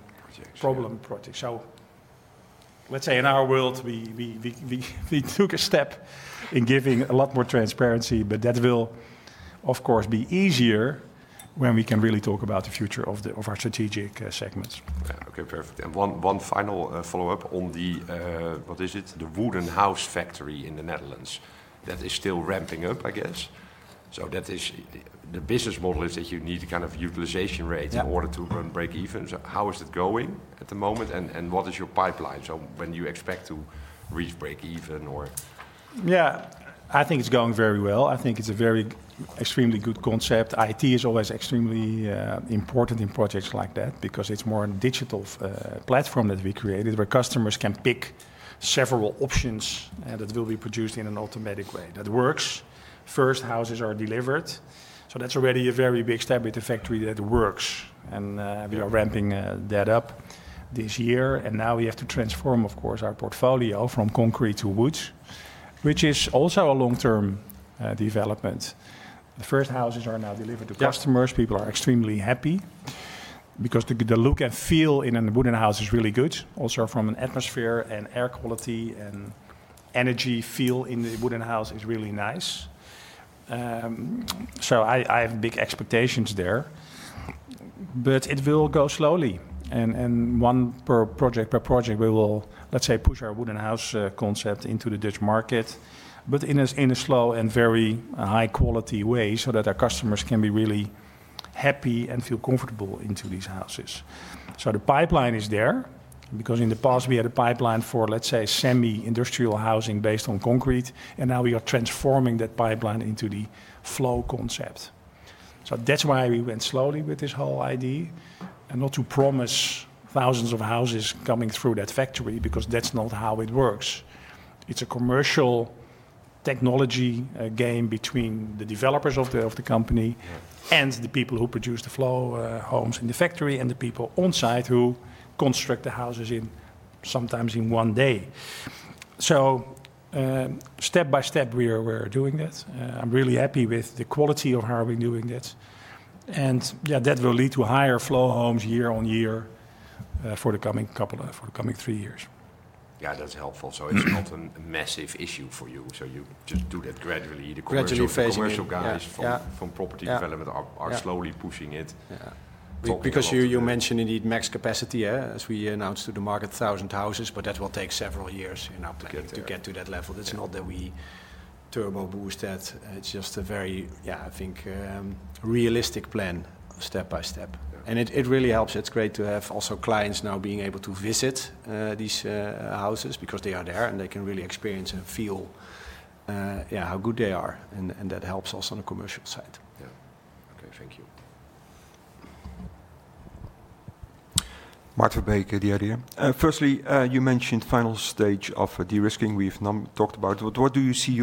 problem projects. Let's say in our world, we took a step in giving a lot more transparency, but that will, of course, be easier when we can really talk about the future of our strategic segments. Okay, perfect. And one final follow-up on the, what is it, the Wooden House Factory in the Netherlands that is still ramping up, I guess. So that is the business model is that you need kind of utilization rate in order to break even. So how is it going at the moment and what is your pipeline? So when do you expect to reach break even? Yeah, I think it's going very well. I think it's a very extremely good concept. IT is always extremely important in projects like that because it's more a digital platform that we created where customers can pick several options that will be produced in an automatic way that works. First, houses are delivered. So that's already a very big step with the factory that works. We are ramping that up this year. Now we have to transform, of course, our portfolio from concrete to woods, which is also a long-term development. The first houses are now delivered to customers. People are extremely happy because the look and feel in a wooden house is really good. Also from an atmosphere and air quality and energy feel in the wooden house is really nice. So I have big expectations there, but it will go slowly. Project by project, we will push our wooden house concept into the Dutch market, but in a slow and very high-quality way so that our customers can be really happy and feel comfortable in these houses. The pipeline is there because in the past, we had a pipeline for semi-industrial housing based on concrete. Now we are transforming that pipeline into the flow concept. That's why we went slowly with this whole idea and not to promise thousands of houses coming through that factory because that's not how it works. It's a commercial technology game between the developers of the company and the people who produce the flow homes in the factory and the people on site who construct the houses sometimes in one day. Step by step, we are doing this. I'm really happy with the quality of how we're doing this. And yeah, that will lead to higher flow homes year-on-year for the coming couple of, for the coming three years. Yeah, that's helpful. It's not a massive issue for you. You just do that gradually. Gradually phasing it. The commercial guys from property development are slowly pushing it. Because you mentioned indeed max capacity as we announced to the market, 1,000 houses, but that will take several years to get to that level. It's not that we turbo boost that. It's just a very realistic plan step by step. It really helps. It's great to have also clients now being able to visit these houses because they are there and they can really experience and feel how good they are. That helps us on the commercial side. Yeah. Okay, thank you. Maarten Verbeek, The Idea. Firstly, you mentioned final stage of de-risking. We've talked about it. What do you see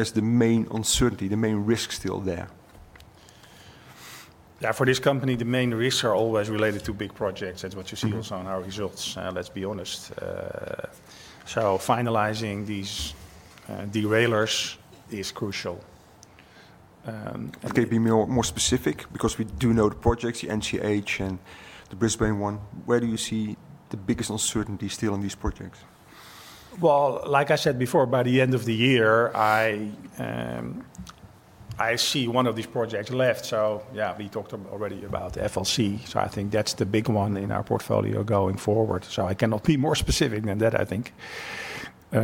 as the main uncertainty, the main risk still there? Yeah, for this company, the main risks are always related to big projects. That's what you see also on our results, let's be honest. So finalizing these deraillers is crucial. Can you be more specific? Because we do know the projects, the NCH and the Brisbane one. Where do you see the biggest uncertainty still in these projects? Like I said before, by the end of the year, I see one of these projects left. We talked already about FLC. I think that's the big one in our portfolio going forward. I cannot be more specific than that, I think. For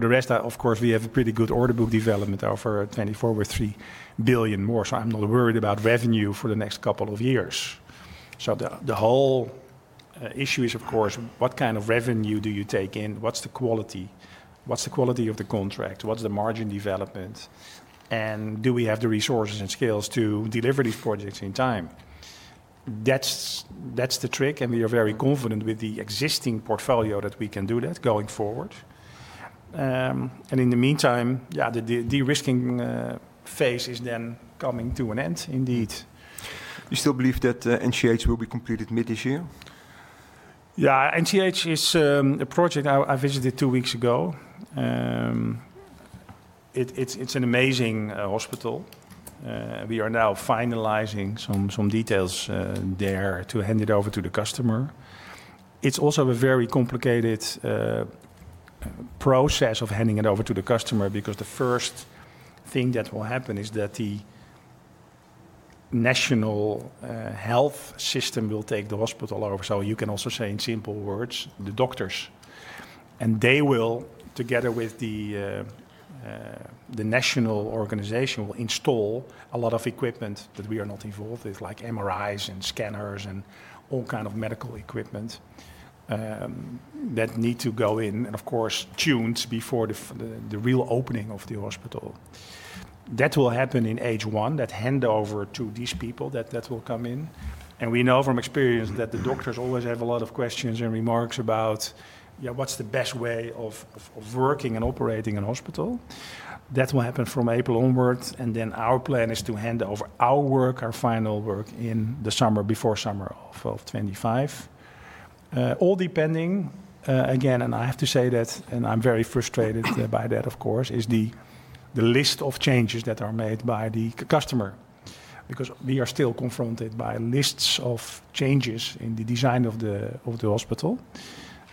the rest, of course, we have a pretty good order book development over 2024 with 3 billion more. I'm not worried about revenue for the next couple of years. The whole issue is, of course, what kind of revenue do you take in? What's the quality? What's the quality of the contract? What's the margin development? Do we have the resources and skills to deliver these projects in time? That's the trick. We are very confident with the existing portfolio that we can do that going forward. In the meantime, yeah, the de-risking phase is then coming to an end indeed. You still believe that NCH will be completed mid this year? Yeah, NCH is a project I visited two weeks ago. It's an amazing hospital. We are now finalizing some details there to hand it over to the customer. It's also a very complicated process of handing it over to the customer because the first thing that will happen is that the national health system will take the hospital over. So you can also say in simple words, the doctors. They will, together with the national organization, install a lot of equipment that we are not involved with, like MRIs and scanners and all kinds of medical equipment that need to go in and, of course, be tuned before the real opening of the hospital. That will happen in phase one, that handover to these people that will come in. We know from experience that the doctors always have a lot of questions and remarks about what's the best way of working and operating a hospital. That will happen from April onwards. Our plan is to hand over our work, our final work in the summer before summer of 2025. All depending, again, and I have to say that, and I'm very frustrated by that, of course, is the list of changes that are made by the customer because we are still confronted by lists of changes in the design of the hospital.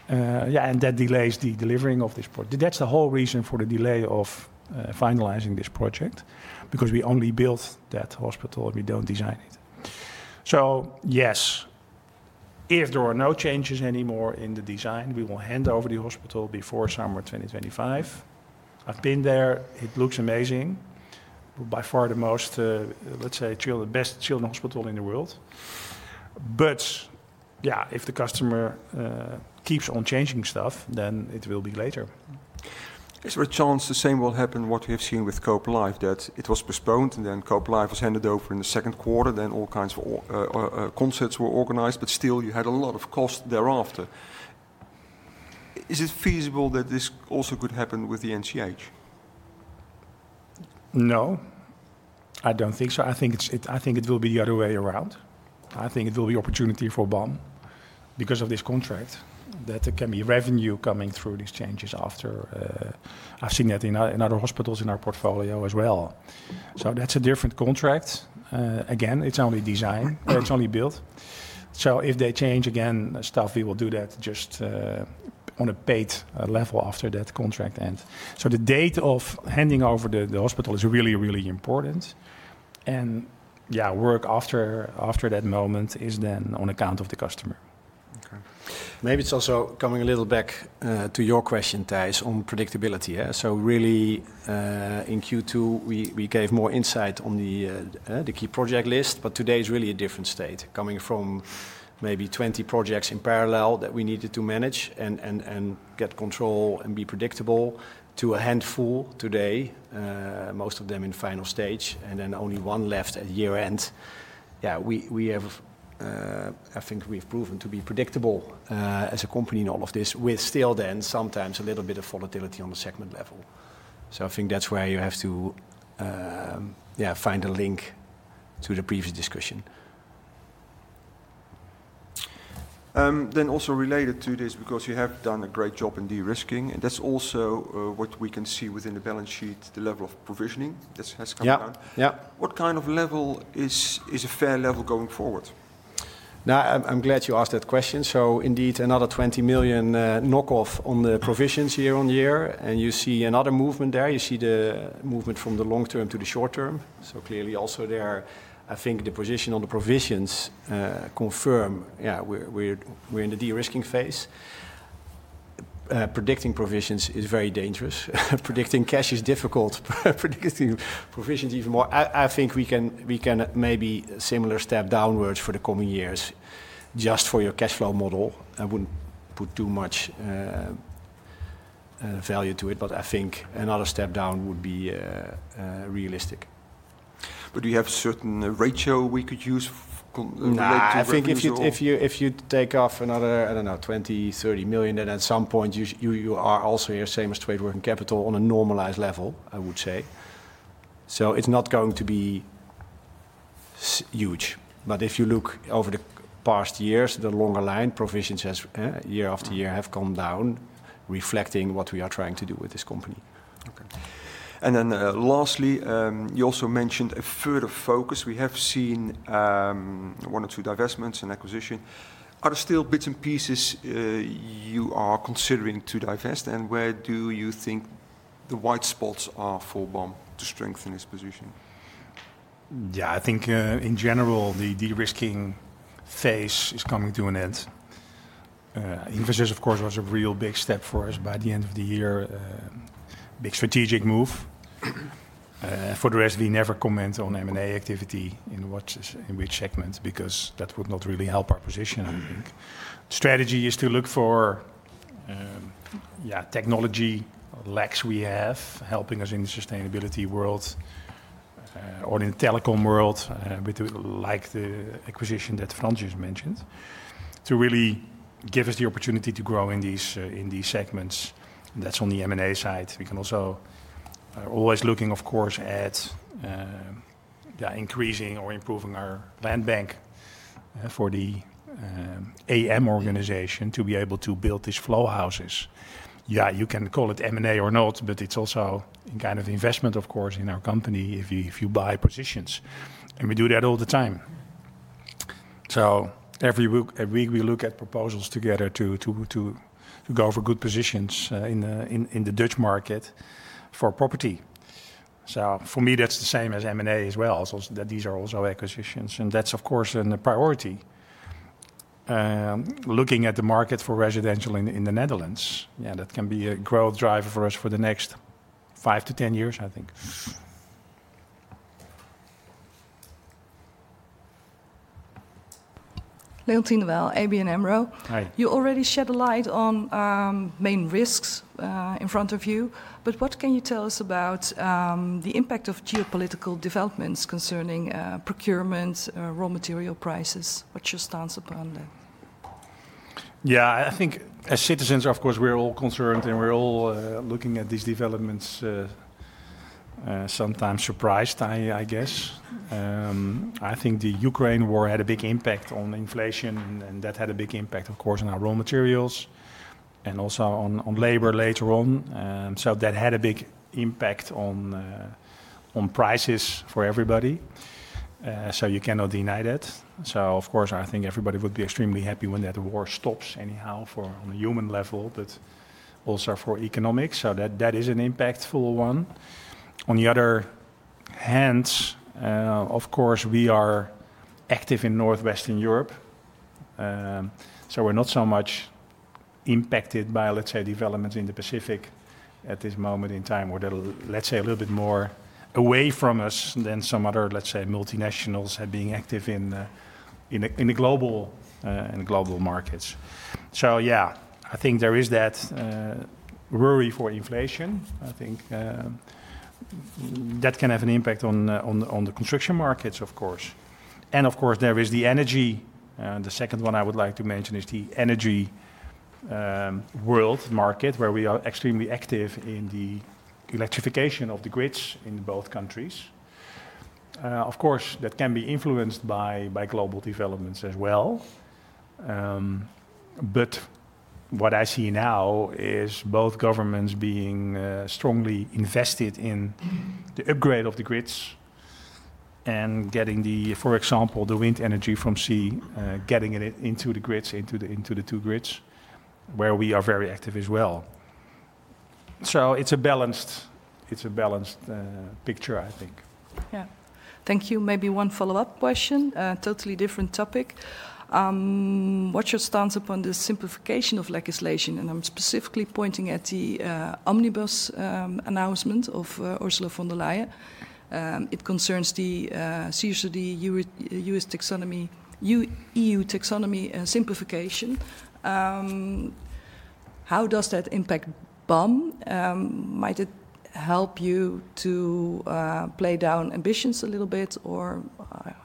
That delays the delivering of this project. That's the whole reason for the delay of finalizing this project because we only built that hospital and we don't design it. If there are no changes anymore in the design, we will hand over the hospital before summer 2025. I've been there. It looks amazing. By far the most, let's say, best children's hospital in the world. But yeah, if the customer keeps on changing stuff, then it will be later. Is there a chance the same will happen what we have seen with CoopLife that it was postponed and then CoopLife was handed over in the second quarter, then all kinds of concerts were organized, but still you had a lot of costs thereafter? Is it feasible that this also could happen with the NCH? No, I don't think so. I think it will be the other way around. I think it will be opportunity for BAM because of this contract that there can be revenue coming through these changes after. I've seen that in other hospitals in our portfolio as well. That's a different contract. Again, it's only design, it's only built. If they change again, stuff, we will do that just on a paid level after that contract ends. The date of handing over the hospital is really, really important. Yeah, work after that moment is then on account of the customer. Maybe it's also coming a little back to your question, Thijs, on predictability. Really in Q2, we gave more insight on the key project list, but today is really a different state coming from maybe 20 projects in parallel that we needed to manage and get control and be predictable to a handful today, most of them in final stage, and then only one left at year end. I think we've proven to be predictable as a company in all of this with still then sometimes a little bit of volatility on the segment level. I think that's where you have to find a link to the previous discussion. Then also related to this, because you have done a great job in de-risking, and that's also what we can see within the balance sheet, the level of provisioning that has come down. What kind of level is a fair level going forward? Now, I'm glad you asked that question. Indeed, another 20 million knockoff on the provisions year-on-year. You see another movement there. You see the movement from the long term to the short term. Clearly also there, I think the position on the provisions confirm, yeah, we're in the de-risking phase. Predicting provisions is very dangerous. Predicting cash is difficult. Predicting provisions even more. I think we can maybe similar step downwards for the coming years just for your cash flow model. I wouldn't put too much value to it, but I think another step down would be realistic. But do you have a certain ratio we could use related to this? I think if you take off another, I don't know, 20 million, 30 million, then at some point you are also here, same as trade working capital on a normalized level, I would say. So it's not going to be huge. But if you look over the past years, the longer line provisions year after year have come down, reflecting what we are trying to do with this company. Okay. And then lastly, you also mentioned a further focus. We have seen one or two divestments and acquisitions. Are there still bits and pieces you are considering to divest? And where do you think the white spots are for BAM to strengthen its position? I think in general, the de-risking phase is coming to an end. Investors, of course, was a real big step for us by the end of the year. Big strategic move. For the rest, we never comment on M&A activity in which segments because that would not really help our position, I think. Strategy is to look for technology lags we have helping us in the sustainability world or in the telecom world, like the acquisition that Frans mentioned, to really give us the opportunity to grow in these segments. That's on the M&A side. We can also always looking, of course, at increasing or improving our land bank for the AM organization to be able to build these flow houses. You can call it M&A or not, but it's also kind of investment, of course, in our company if you buy positions. We do that all the time. Every week we look at proposals together to go for good positions in the Dutch market for property. For me, that's the same as M&A as well. These are also acquisitions. That's, of course, a priority. Looking at the market for residential in the Netherlands, that can be a growth driver for us for the next five to 10 years, I think. Leontine de Waal, ABN AMRO. Hi. You already shed light on the main risks in front of you, but what can you tell us about the impact of geopolitical developments concerning procurement, raw material prices? What's your stance on that? I think as citizens, of course, we're all concerned and we're all looking at these developments, sometimes surprised, I guess. I think the Ukraine war had a big impact on inflation and that had a big impact, of course, on our raw materials and also on labor later on. That had a big impact on prices for everybody. You cannot deny that. Of course, I think everybody would be extremely happy when that war stops anyhow on a human level, but also for economics. That is an impactful one. On the other hand, of course, we are active in Northwestern Europe. We're not so much impacted by, let's say, developments in the Pacific at this moment in time or that, let's say, a little bit more away from us than some other, let's say, multinationals have been active in the global markets. I think there is that worry for inflation. I think that can have an impact on the construction markets, of course. And of course, there is the energy. The second one I would like to mention is the energy world market where we are extremely active in the electrification of the grids in both countries. Of course, that can be influenced by global developments as well. But what I see now is both governments being strongly invested in the upgrade of the grids and getting, for example, the wind energy from sea, getting it into the grids, into the two grids where we are very active as well. It's a balanced picture, I think. Yeah. Thank you. Maybe one follow-up question, totally different topic. What's your stance upon the simplification of legislation? I'm specifically pointing at the omnibus announcement of Ursula von der Leyen. It concerns the CSRD EU taxonomy simplification. How does that impact BAM? Might it help you to play down ambitions a little bit or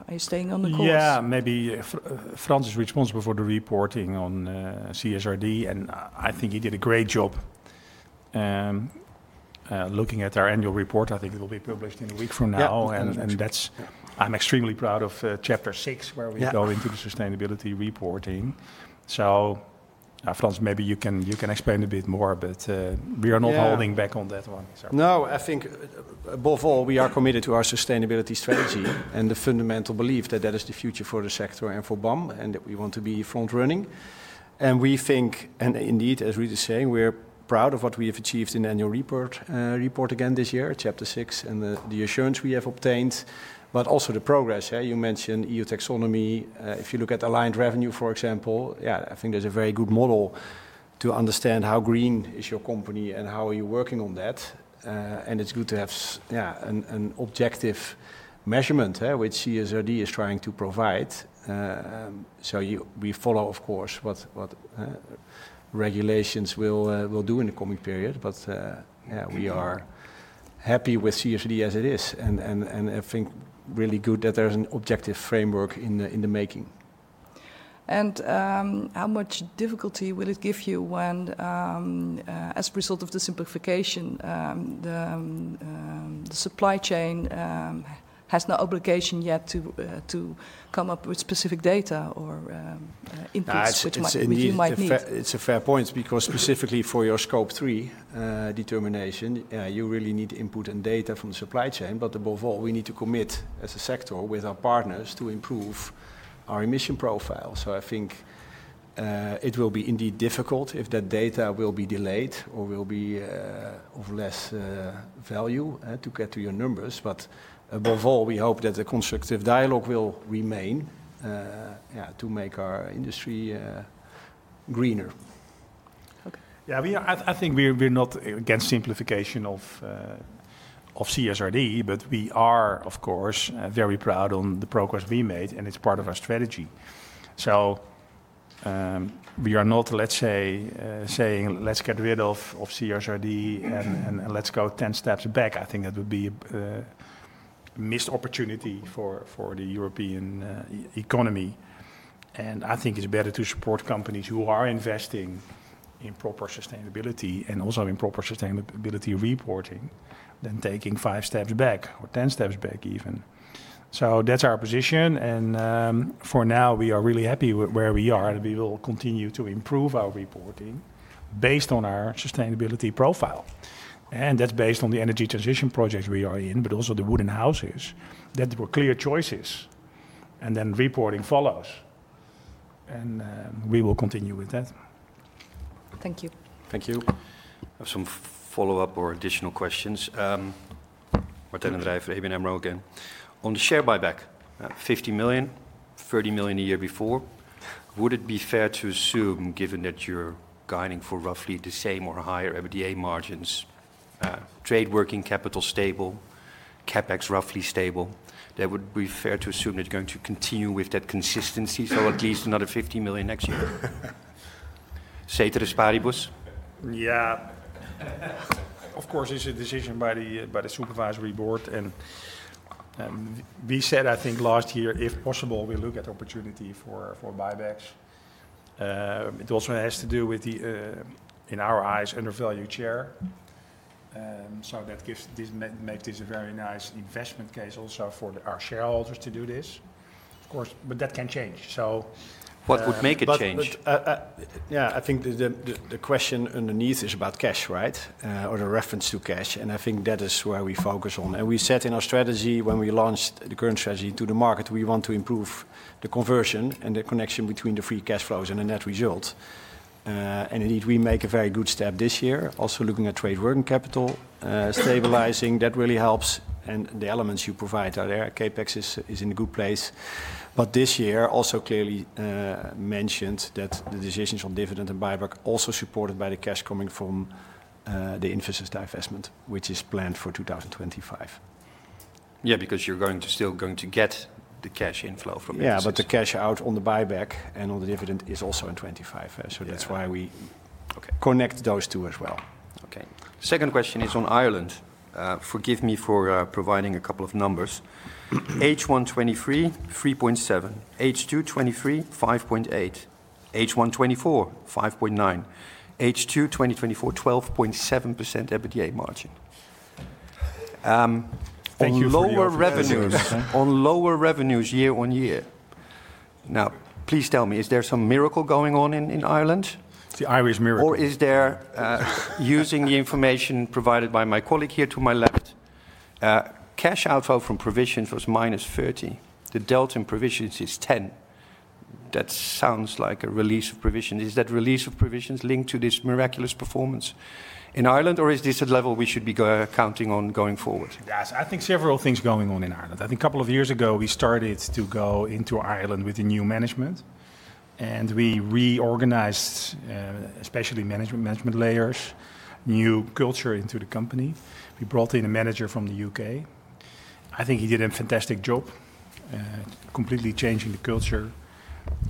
are you staying on the course? Yeah, maybe Frans is responsible for the reporting on CSRD and I think he did a great job looking at our annual report. I think it will be published in a week from now. I'm extremely proud of chapter six where we go into the sustainability reporting. So Frans, maybe you can explain a bit more, but we are not holding back on that one. No, I think above all, we are committed to our sustainability strategy and the fundamental belief that that is the future for the sector and for BAM and that we want to be front-running. Indeed, as Ruud is saying, we're proud of what we have achieved in the annual report again this year, chapter six and the assurance we have obtained, but also the progress. You mentioned EU taxonomy. If you look at aligned revenue, for example, I think there's a very good model to understand how green is your company and how are you working on that. It's good to have an objective measurement which CSRD is trying to provide. So we follow, of course, what regulations will do in the coming period, but we are happy with CSRD as it is. I think really good that there's an objective framework in the making. How much difficulty will it give you when, as a result of the simplification, the supply chain has no obligation yet to come up with specific data or inputs which might be needed? It's a fair point because specifically for your scope three determination, you really need input and data from the supply chain, but above all, we need to commit as a sector with our partners to improve our emission profile. I think it will be indeed difficult if that data will be delayed or will be of less value to get to your numbers. But above all, we hope that the constructive dialogue will remain to make our industry greener. Okay. I think we're not against simplification of CSRD, but we are, of course, very proud of the progress we made and it's part of our strategy. So we are not, let's say, saying, let's get rid of CSRD and let's go 10 steps back. I think that would be a missed opportunity for the European economy. I think it's better to support companies who are investing in proper sustainability and also in proper sustainability reporting than taking five steps back or 10 steps back even. So that's our position. For now, we are really happy where we are and we will continue to improve our reporting based on our sustainability profile. That's based on the energy transition projects we are in, but also the wooden houses that were clear choices. Reporting follows. We will continue with that. Thank you. Thank you. I have some follow-up or additional questions. Martijn Den Drijver, ABN AMRO again. On the share buyback, 50 million, 30 million a year before, would it be fair to assume, given that you're guiding for roughly the same or higher EBITDA margins, trade working capital stable, CapEx roughly stable, that it would be fair to assume that you're going to continue with that consistency? So at least another 50 million next year. Ceteris paribus. Of course, it's a decision by the supervisory board. I think last year, if possible, we look at opportunity for buybacks. It also has to do with, in our eyes, undervalued share. That makes this a very nice investment case also for our shareholders to do this. Of course, that can change. What would make it change? I think the question underneath is about cash, right? Or the reference to cash. I think that is where we focus on. We said in our strategy when we launched the current strategy to the market, we want to improve the conversion and the connection between the free cash flows and the net result. Indeed, we make a very good step this year, also looking at trade working capital, stabilizing. That really helps. The elements you provide are there. CapEx is in a good place. This year also clearly mentioned that the decisions on dividend and buyback also supported by the cash coming from the investment, which is planned for 2025. Yeah, because you're still going to get the cash inflow from it. Yeah, but the cash out on the buyback and on the dividend is also in 2025. So that's why we connect those two as well. Okay. Second question is on Ireland. Forgive me for providing a couple of numbers. H1 2023, 3.7%. H2 2023, 5.8%. H1 2024, 5.9%. H2 2024, 12.7% EBITDA margin on lower revenues, on lower year-on-year. Now, please tell me, is there some miracle going on in Ireland? The Irish miracle. Is there using the information provided by my colleague here to my left, cash outflow from provisions was minus 30 million. The delta in provisions is 10 million. That sounds like a release of provisions. Is that release of provisions linked to this miraculous performance in Ireland, or is this a level we should be accounting on going forward? Yes, I think several things are going on in Ireland. I think a couple of years ago, we started to go into Ireland with the new management. We reorganized especially management layers, new culture into the company. We brought in a manager from the UK. I think he did a fantastic job, completely changing the culture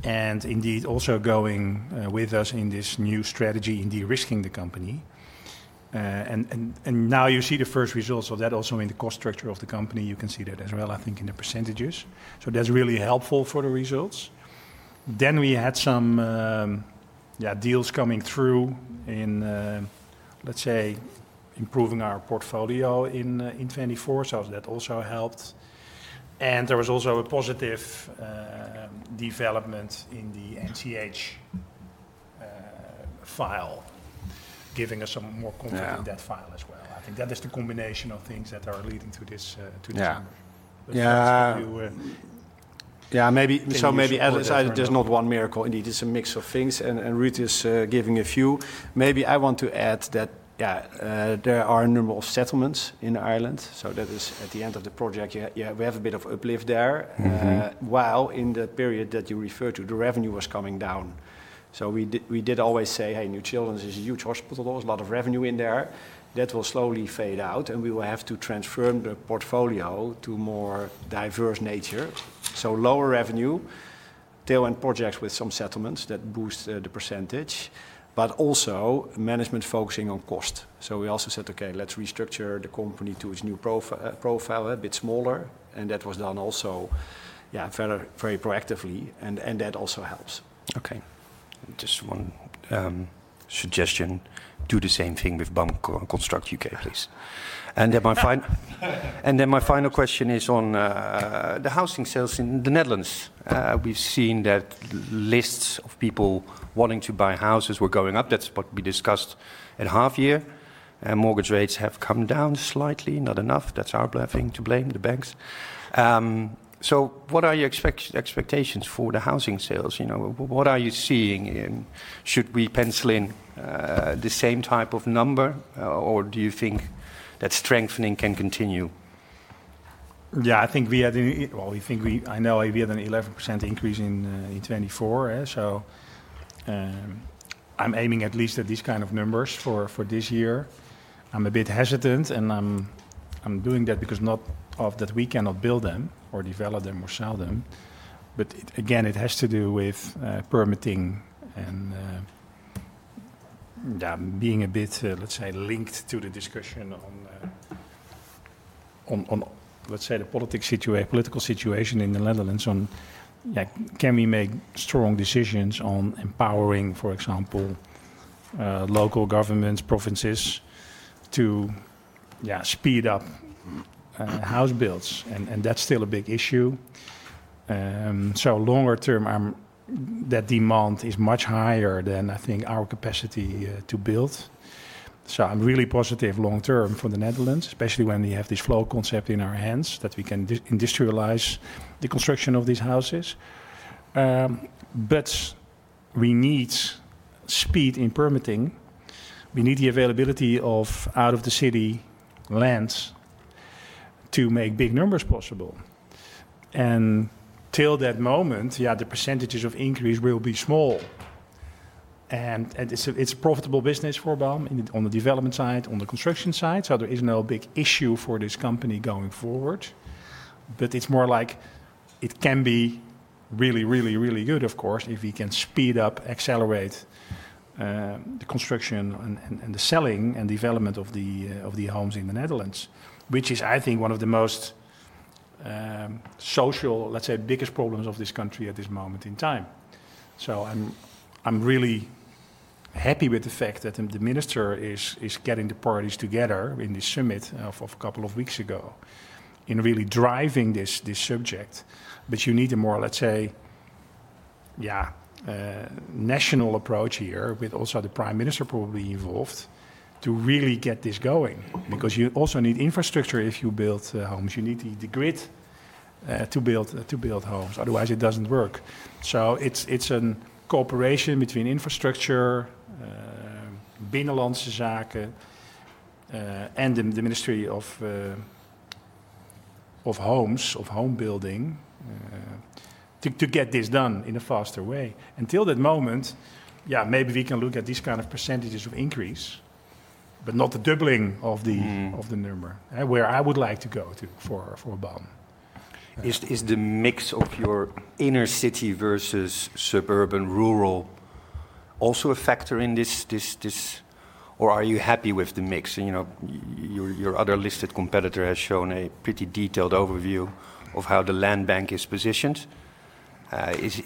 and indeed also going with us in this new strategy, indeed risking the company. Now you see the first results of that also in the cost structure of the company. You can see that as well, I think, in the percentages. That's really helpful for the results. We had some deals coming through in, let's say, improving our portfolio in 24. That also helped. There was also a positive development in the NCH file, giving us some more confidence in that file as well. I think that is the combination of things that are leading to this number. Yeah, maybe there's not one miracle. Indeed, it's a mix of things. Rita is giving a few. Maybe I want to add that, yeah, there are a number of settlements in Ireland. So that is at the end of the project. We have a bit of uplift there. While in the period that you referred to, the revenue was coming down. So we did always say, hey, New Children's is a huge hospital. There was a lot of revenue in there. That will slowly fade out and we will have to transform the portfolio to a more diverse nature. So lower revenue, tail-end projects with some settlements that boost the percentage, but also management focusing on cost. So we also said, okay, let's restructure the company to its new profile, a bit smaller. That was done also, very proactively. That also helps. Okay. Just one suggestion. Do the same thing with BAM Construct UK, please. And then my final question is on the housing sales in the Netherlands. We've seen that lists of people wanting to buy houses were going up. That's what we discussed at half year. And mortgage rates have come down slightly, not enough. That's our blessing to blame the banks. So what are your expectations for the housing sales? What are you seeing? Should we pencil in the same type of number, or do you think that strengthening can continue? Yeah, I think we had, well, I think I know we had an 11% increase in 2024. So I'm aiming at least at these kind of numbers for this year. I'm a bit hesitant and I'm doing that because not that we cannot build them or develop them or sell them. But again, it has to do with permitting and being a bit, let's say, linked to the discussion on, let's say, the political situation in the Netherlands. Can we make strong decisions on empowering, for example, local governments, provinces to speed up house builds? That's still a big issue. So longer term, that demand is much higher than I think our capacity to build. So I'm really positive long term for the Netherlands, especially when we have this flow concept in our hands that we can industrialize the construction of these houses. We need speed in permitting. We need the availability of out-of-the-city lands to make big numbers possible. Until that moment, the percentages of increase will be small. It's a profitable business for BAM on the development side, on the construction side. There is no big issue for this company going forward. It's more like it can be really, really, really good, of course, if we can speed up, accelerate the construction and the selling and development of the homes in the Netherlands, which is, I think, one of the most social, let's say, biggest problems of this country at this moment in time. I'm really happy with the fact that the minister is getting the parties together in this summit of a couple of weeks ago in really driving this subject. But you need a more, let's say, yeah, national approach here with also the prime minister probably involved to really get this going because you also need infrastructure if you build homes. You need the grid to build homes. Otherwise, it doesn't work. So it's a cooperation between infrastructure, Binnenlandse Zaken, and the Ministry of Homes, of home building, to get this done in a faster way. Until that moment, maybe we can look at these kind of percentages of increase, but not the doubling of the number where I would like to go for BAM. Is the mix of your inner city versus suburban rural also a factor in this, or are you happy with the mix? Your other listed competitor has shown a pretty detailed overview of how the land bank is positioned.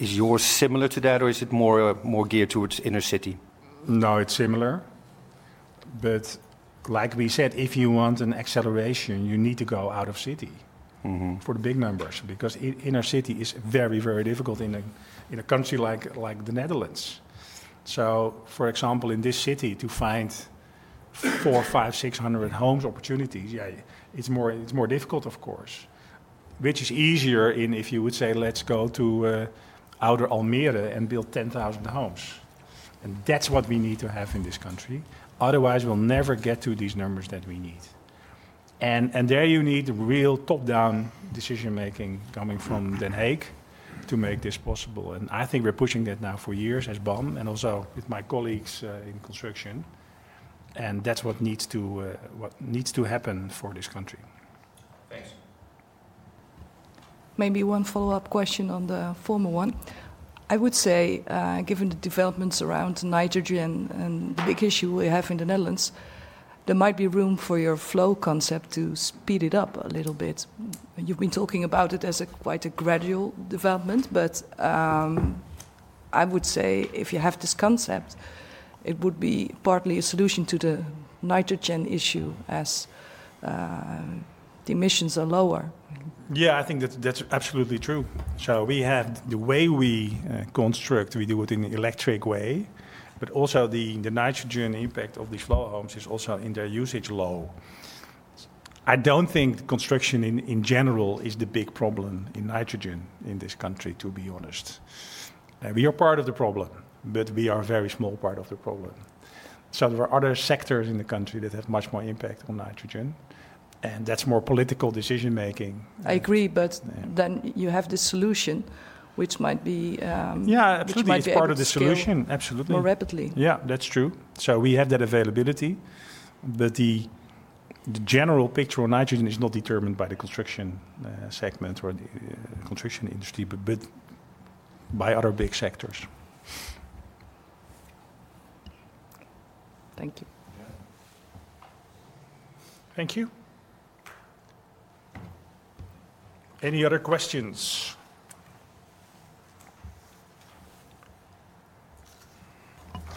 Is yours similar to that, or is it more geared towards inner city? No, it's similar. But like we said, if you want an acceleration, you need to go out of city for the big numbers because inner city is very, very difficult in a country like the Netherlands. For example, in this city to find 400, 500, 600 homes opportunities, yeah, it's more difficult, of course, which is easier if you would say, let's go to outer Almere and build 10,000 homes. That's what we need to have in this country. Otherwise, we'll never get to these numbers that we need. There you need real top-down decision-making coming from Den Haag to make this possible. I think we're pushing that now for years as BAM and also with my colleagues in construction. That's what needs to happen for this country. Thanks. Maybe one follow-up question on the former one. I would say, given the developments around nitrogen and the big issue we have in the Netherlands, there might be room for your flow concept to speed it up a little bit. You've been talking about it as quite a gradual development, but I would say if you have this concept, it would be partly a solution to the nitrogen issue as the emissions are lower. Yeah, I think that's absolutely true. We have the way we construct, we do it in an electric way, but also the nitrogen impact of the flow homes is also in their usage low. I don't think construction in general is the big problem in nitrogen in this country, to be honest. We are part of the problem, but we are a very small part of the problem. There are other sectors in the country that have much more impact on nitrogen, and that's more political decision-making. I agree, but then you have the solution, which might be. Yeah, which might be part of the solution, absolutely. More rapidly. Yeah, that's true. We have that availability, but the general picture on nitrogen is not determined by the construction segment or the construction industry, but by other big sectors. Thank you. Thank you. Any other questions?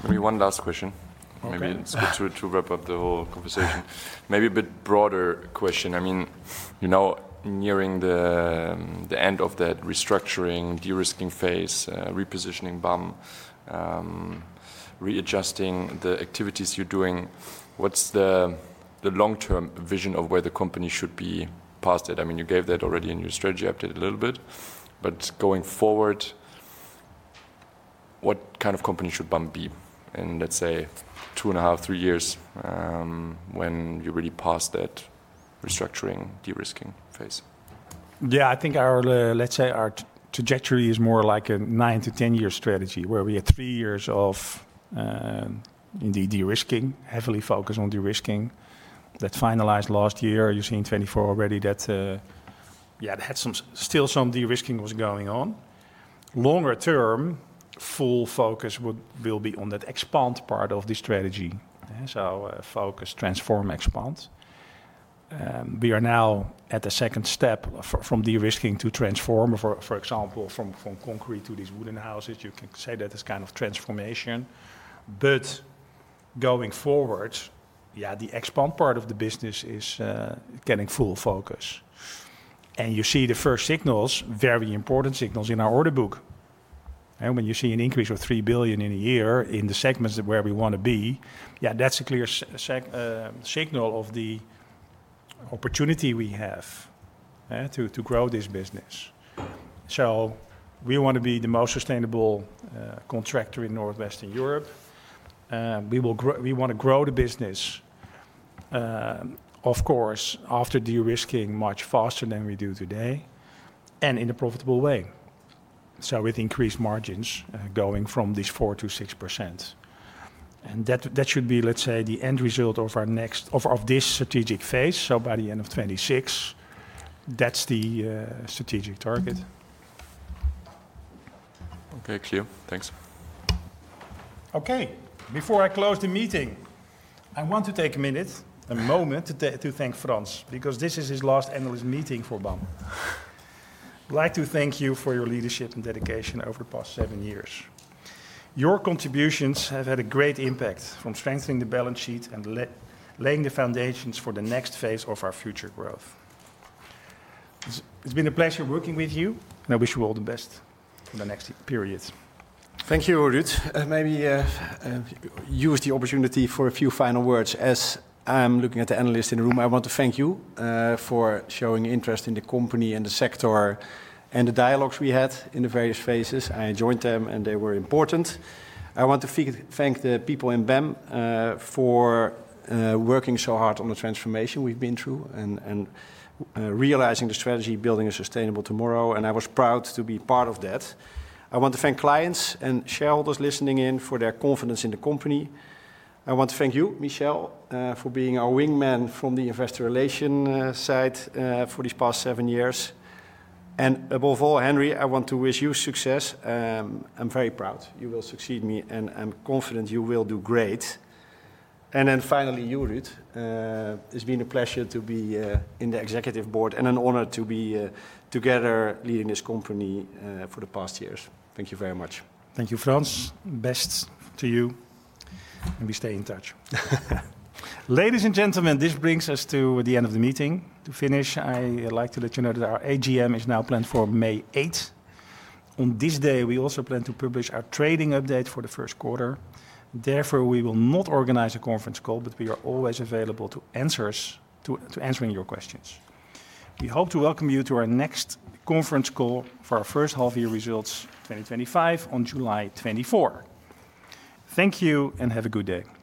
Maybe one last question. Maybe to wrap up the whole conversation. Maybe a bit broader question. I mean, you know, nearing the end of that restructuring, de-risking phase, repositioning BAM, readjusting the activities you're doing, what's the long-term vision of where the company should be past that? I mean, you gave that already in your strategy update a little bit, but going forward, what kind of company should BAM be in, let's say, two and a half, three years when you really pass that restructuring, de-risking phase? Yeah, I think our, let's say, our trajectory is more like a nine to ten year strategy where we have three years of indeed de-risking, heavily focused on de-risking that finalized last year. You're seeing 2024 already that, yeah, still some de-risking was going on. Longer term, full focus will be on that expand part of the strategy. So focus, transform, expand. We are now at the second step from de-risking to transform, for example, from concrete to these wooden houses. You can say that as kind of transformation. But going forward, yeah, the expand part of the business is getting full focus. You see the first signals, very important signals in our order book. When you see an increase of 3 billion in a year in the segments where we want to be, yeah, that's a clear signal of the opportunity we have to grow this business. We want to be the most sustainable contractor in Northwest Europe. We want to grow the business, of course, after de-risking much faster than we do today and in a profitable way. With increased margins going from these 4%-6%. And that should be the end result of our next strategic phase. By the end of 2026, that's the strategic target. Okay, clear. Thanks. Okay, before I close the meeting, I want to take a minute, a moment to thank Frans because this is his last endless meeting for BAM. I'd like to thank you for your leadership and dedication over the past seven years. Your contributions have had a great impact from strengthening the balance sheet and laying the foundations for the next phase of our future growth. It's been a pleasure working with you, and I wish you all the best for the next period. Thank you, Ruud. Maybe use the opportunity for a few final words as I'm looking at the analyst in the room. I want to thank you for showing interest in the company and the sector and the dialogues we had in the various phases. I enjoyed them and they were important. I want to thank the people in BAM for working so hard on the transformation we've been through and realizing the strategy, building a sustainable tomorrow. I was proud to be part of that. I want to thank clients and shareholders listening in for their confidence in the company. I want to thank you, Michel, for being our wingman from the investor relation side for these past seven years. Above all, Henry, I want to wish you success. I'm very proud. You will succeed me, and I'm confident you will do great. Finally, you, Ruud, it's been a pleasure to be in the executive board and an honor to be together leading this company for the past years. Thank you very much. Thank you, Frans. Best to you, and we stay in touch. Ladies and gentlemen, this brings us to the end of the meeting. To finish, I'd like to let you know that our AGM is now planned for May 8th. On this day, we also plan to publish our trading update for the first quarter. Therefore, we will not organize a conference call, but we are always available to answer your questions. We hope to welcome you to our next conference call for our first half-year results 2025 on July 24th. Thank you and have a good day.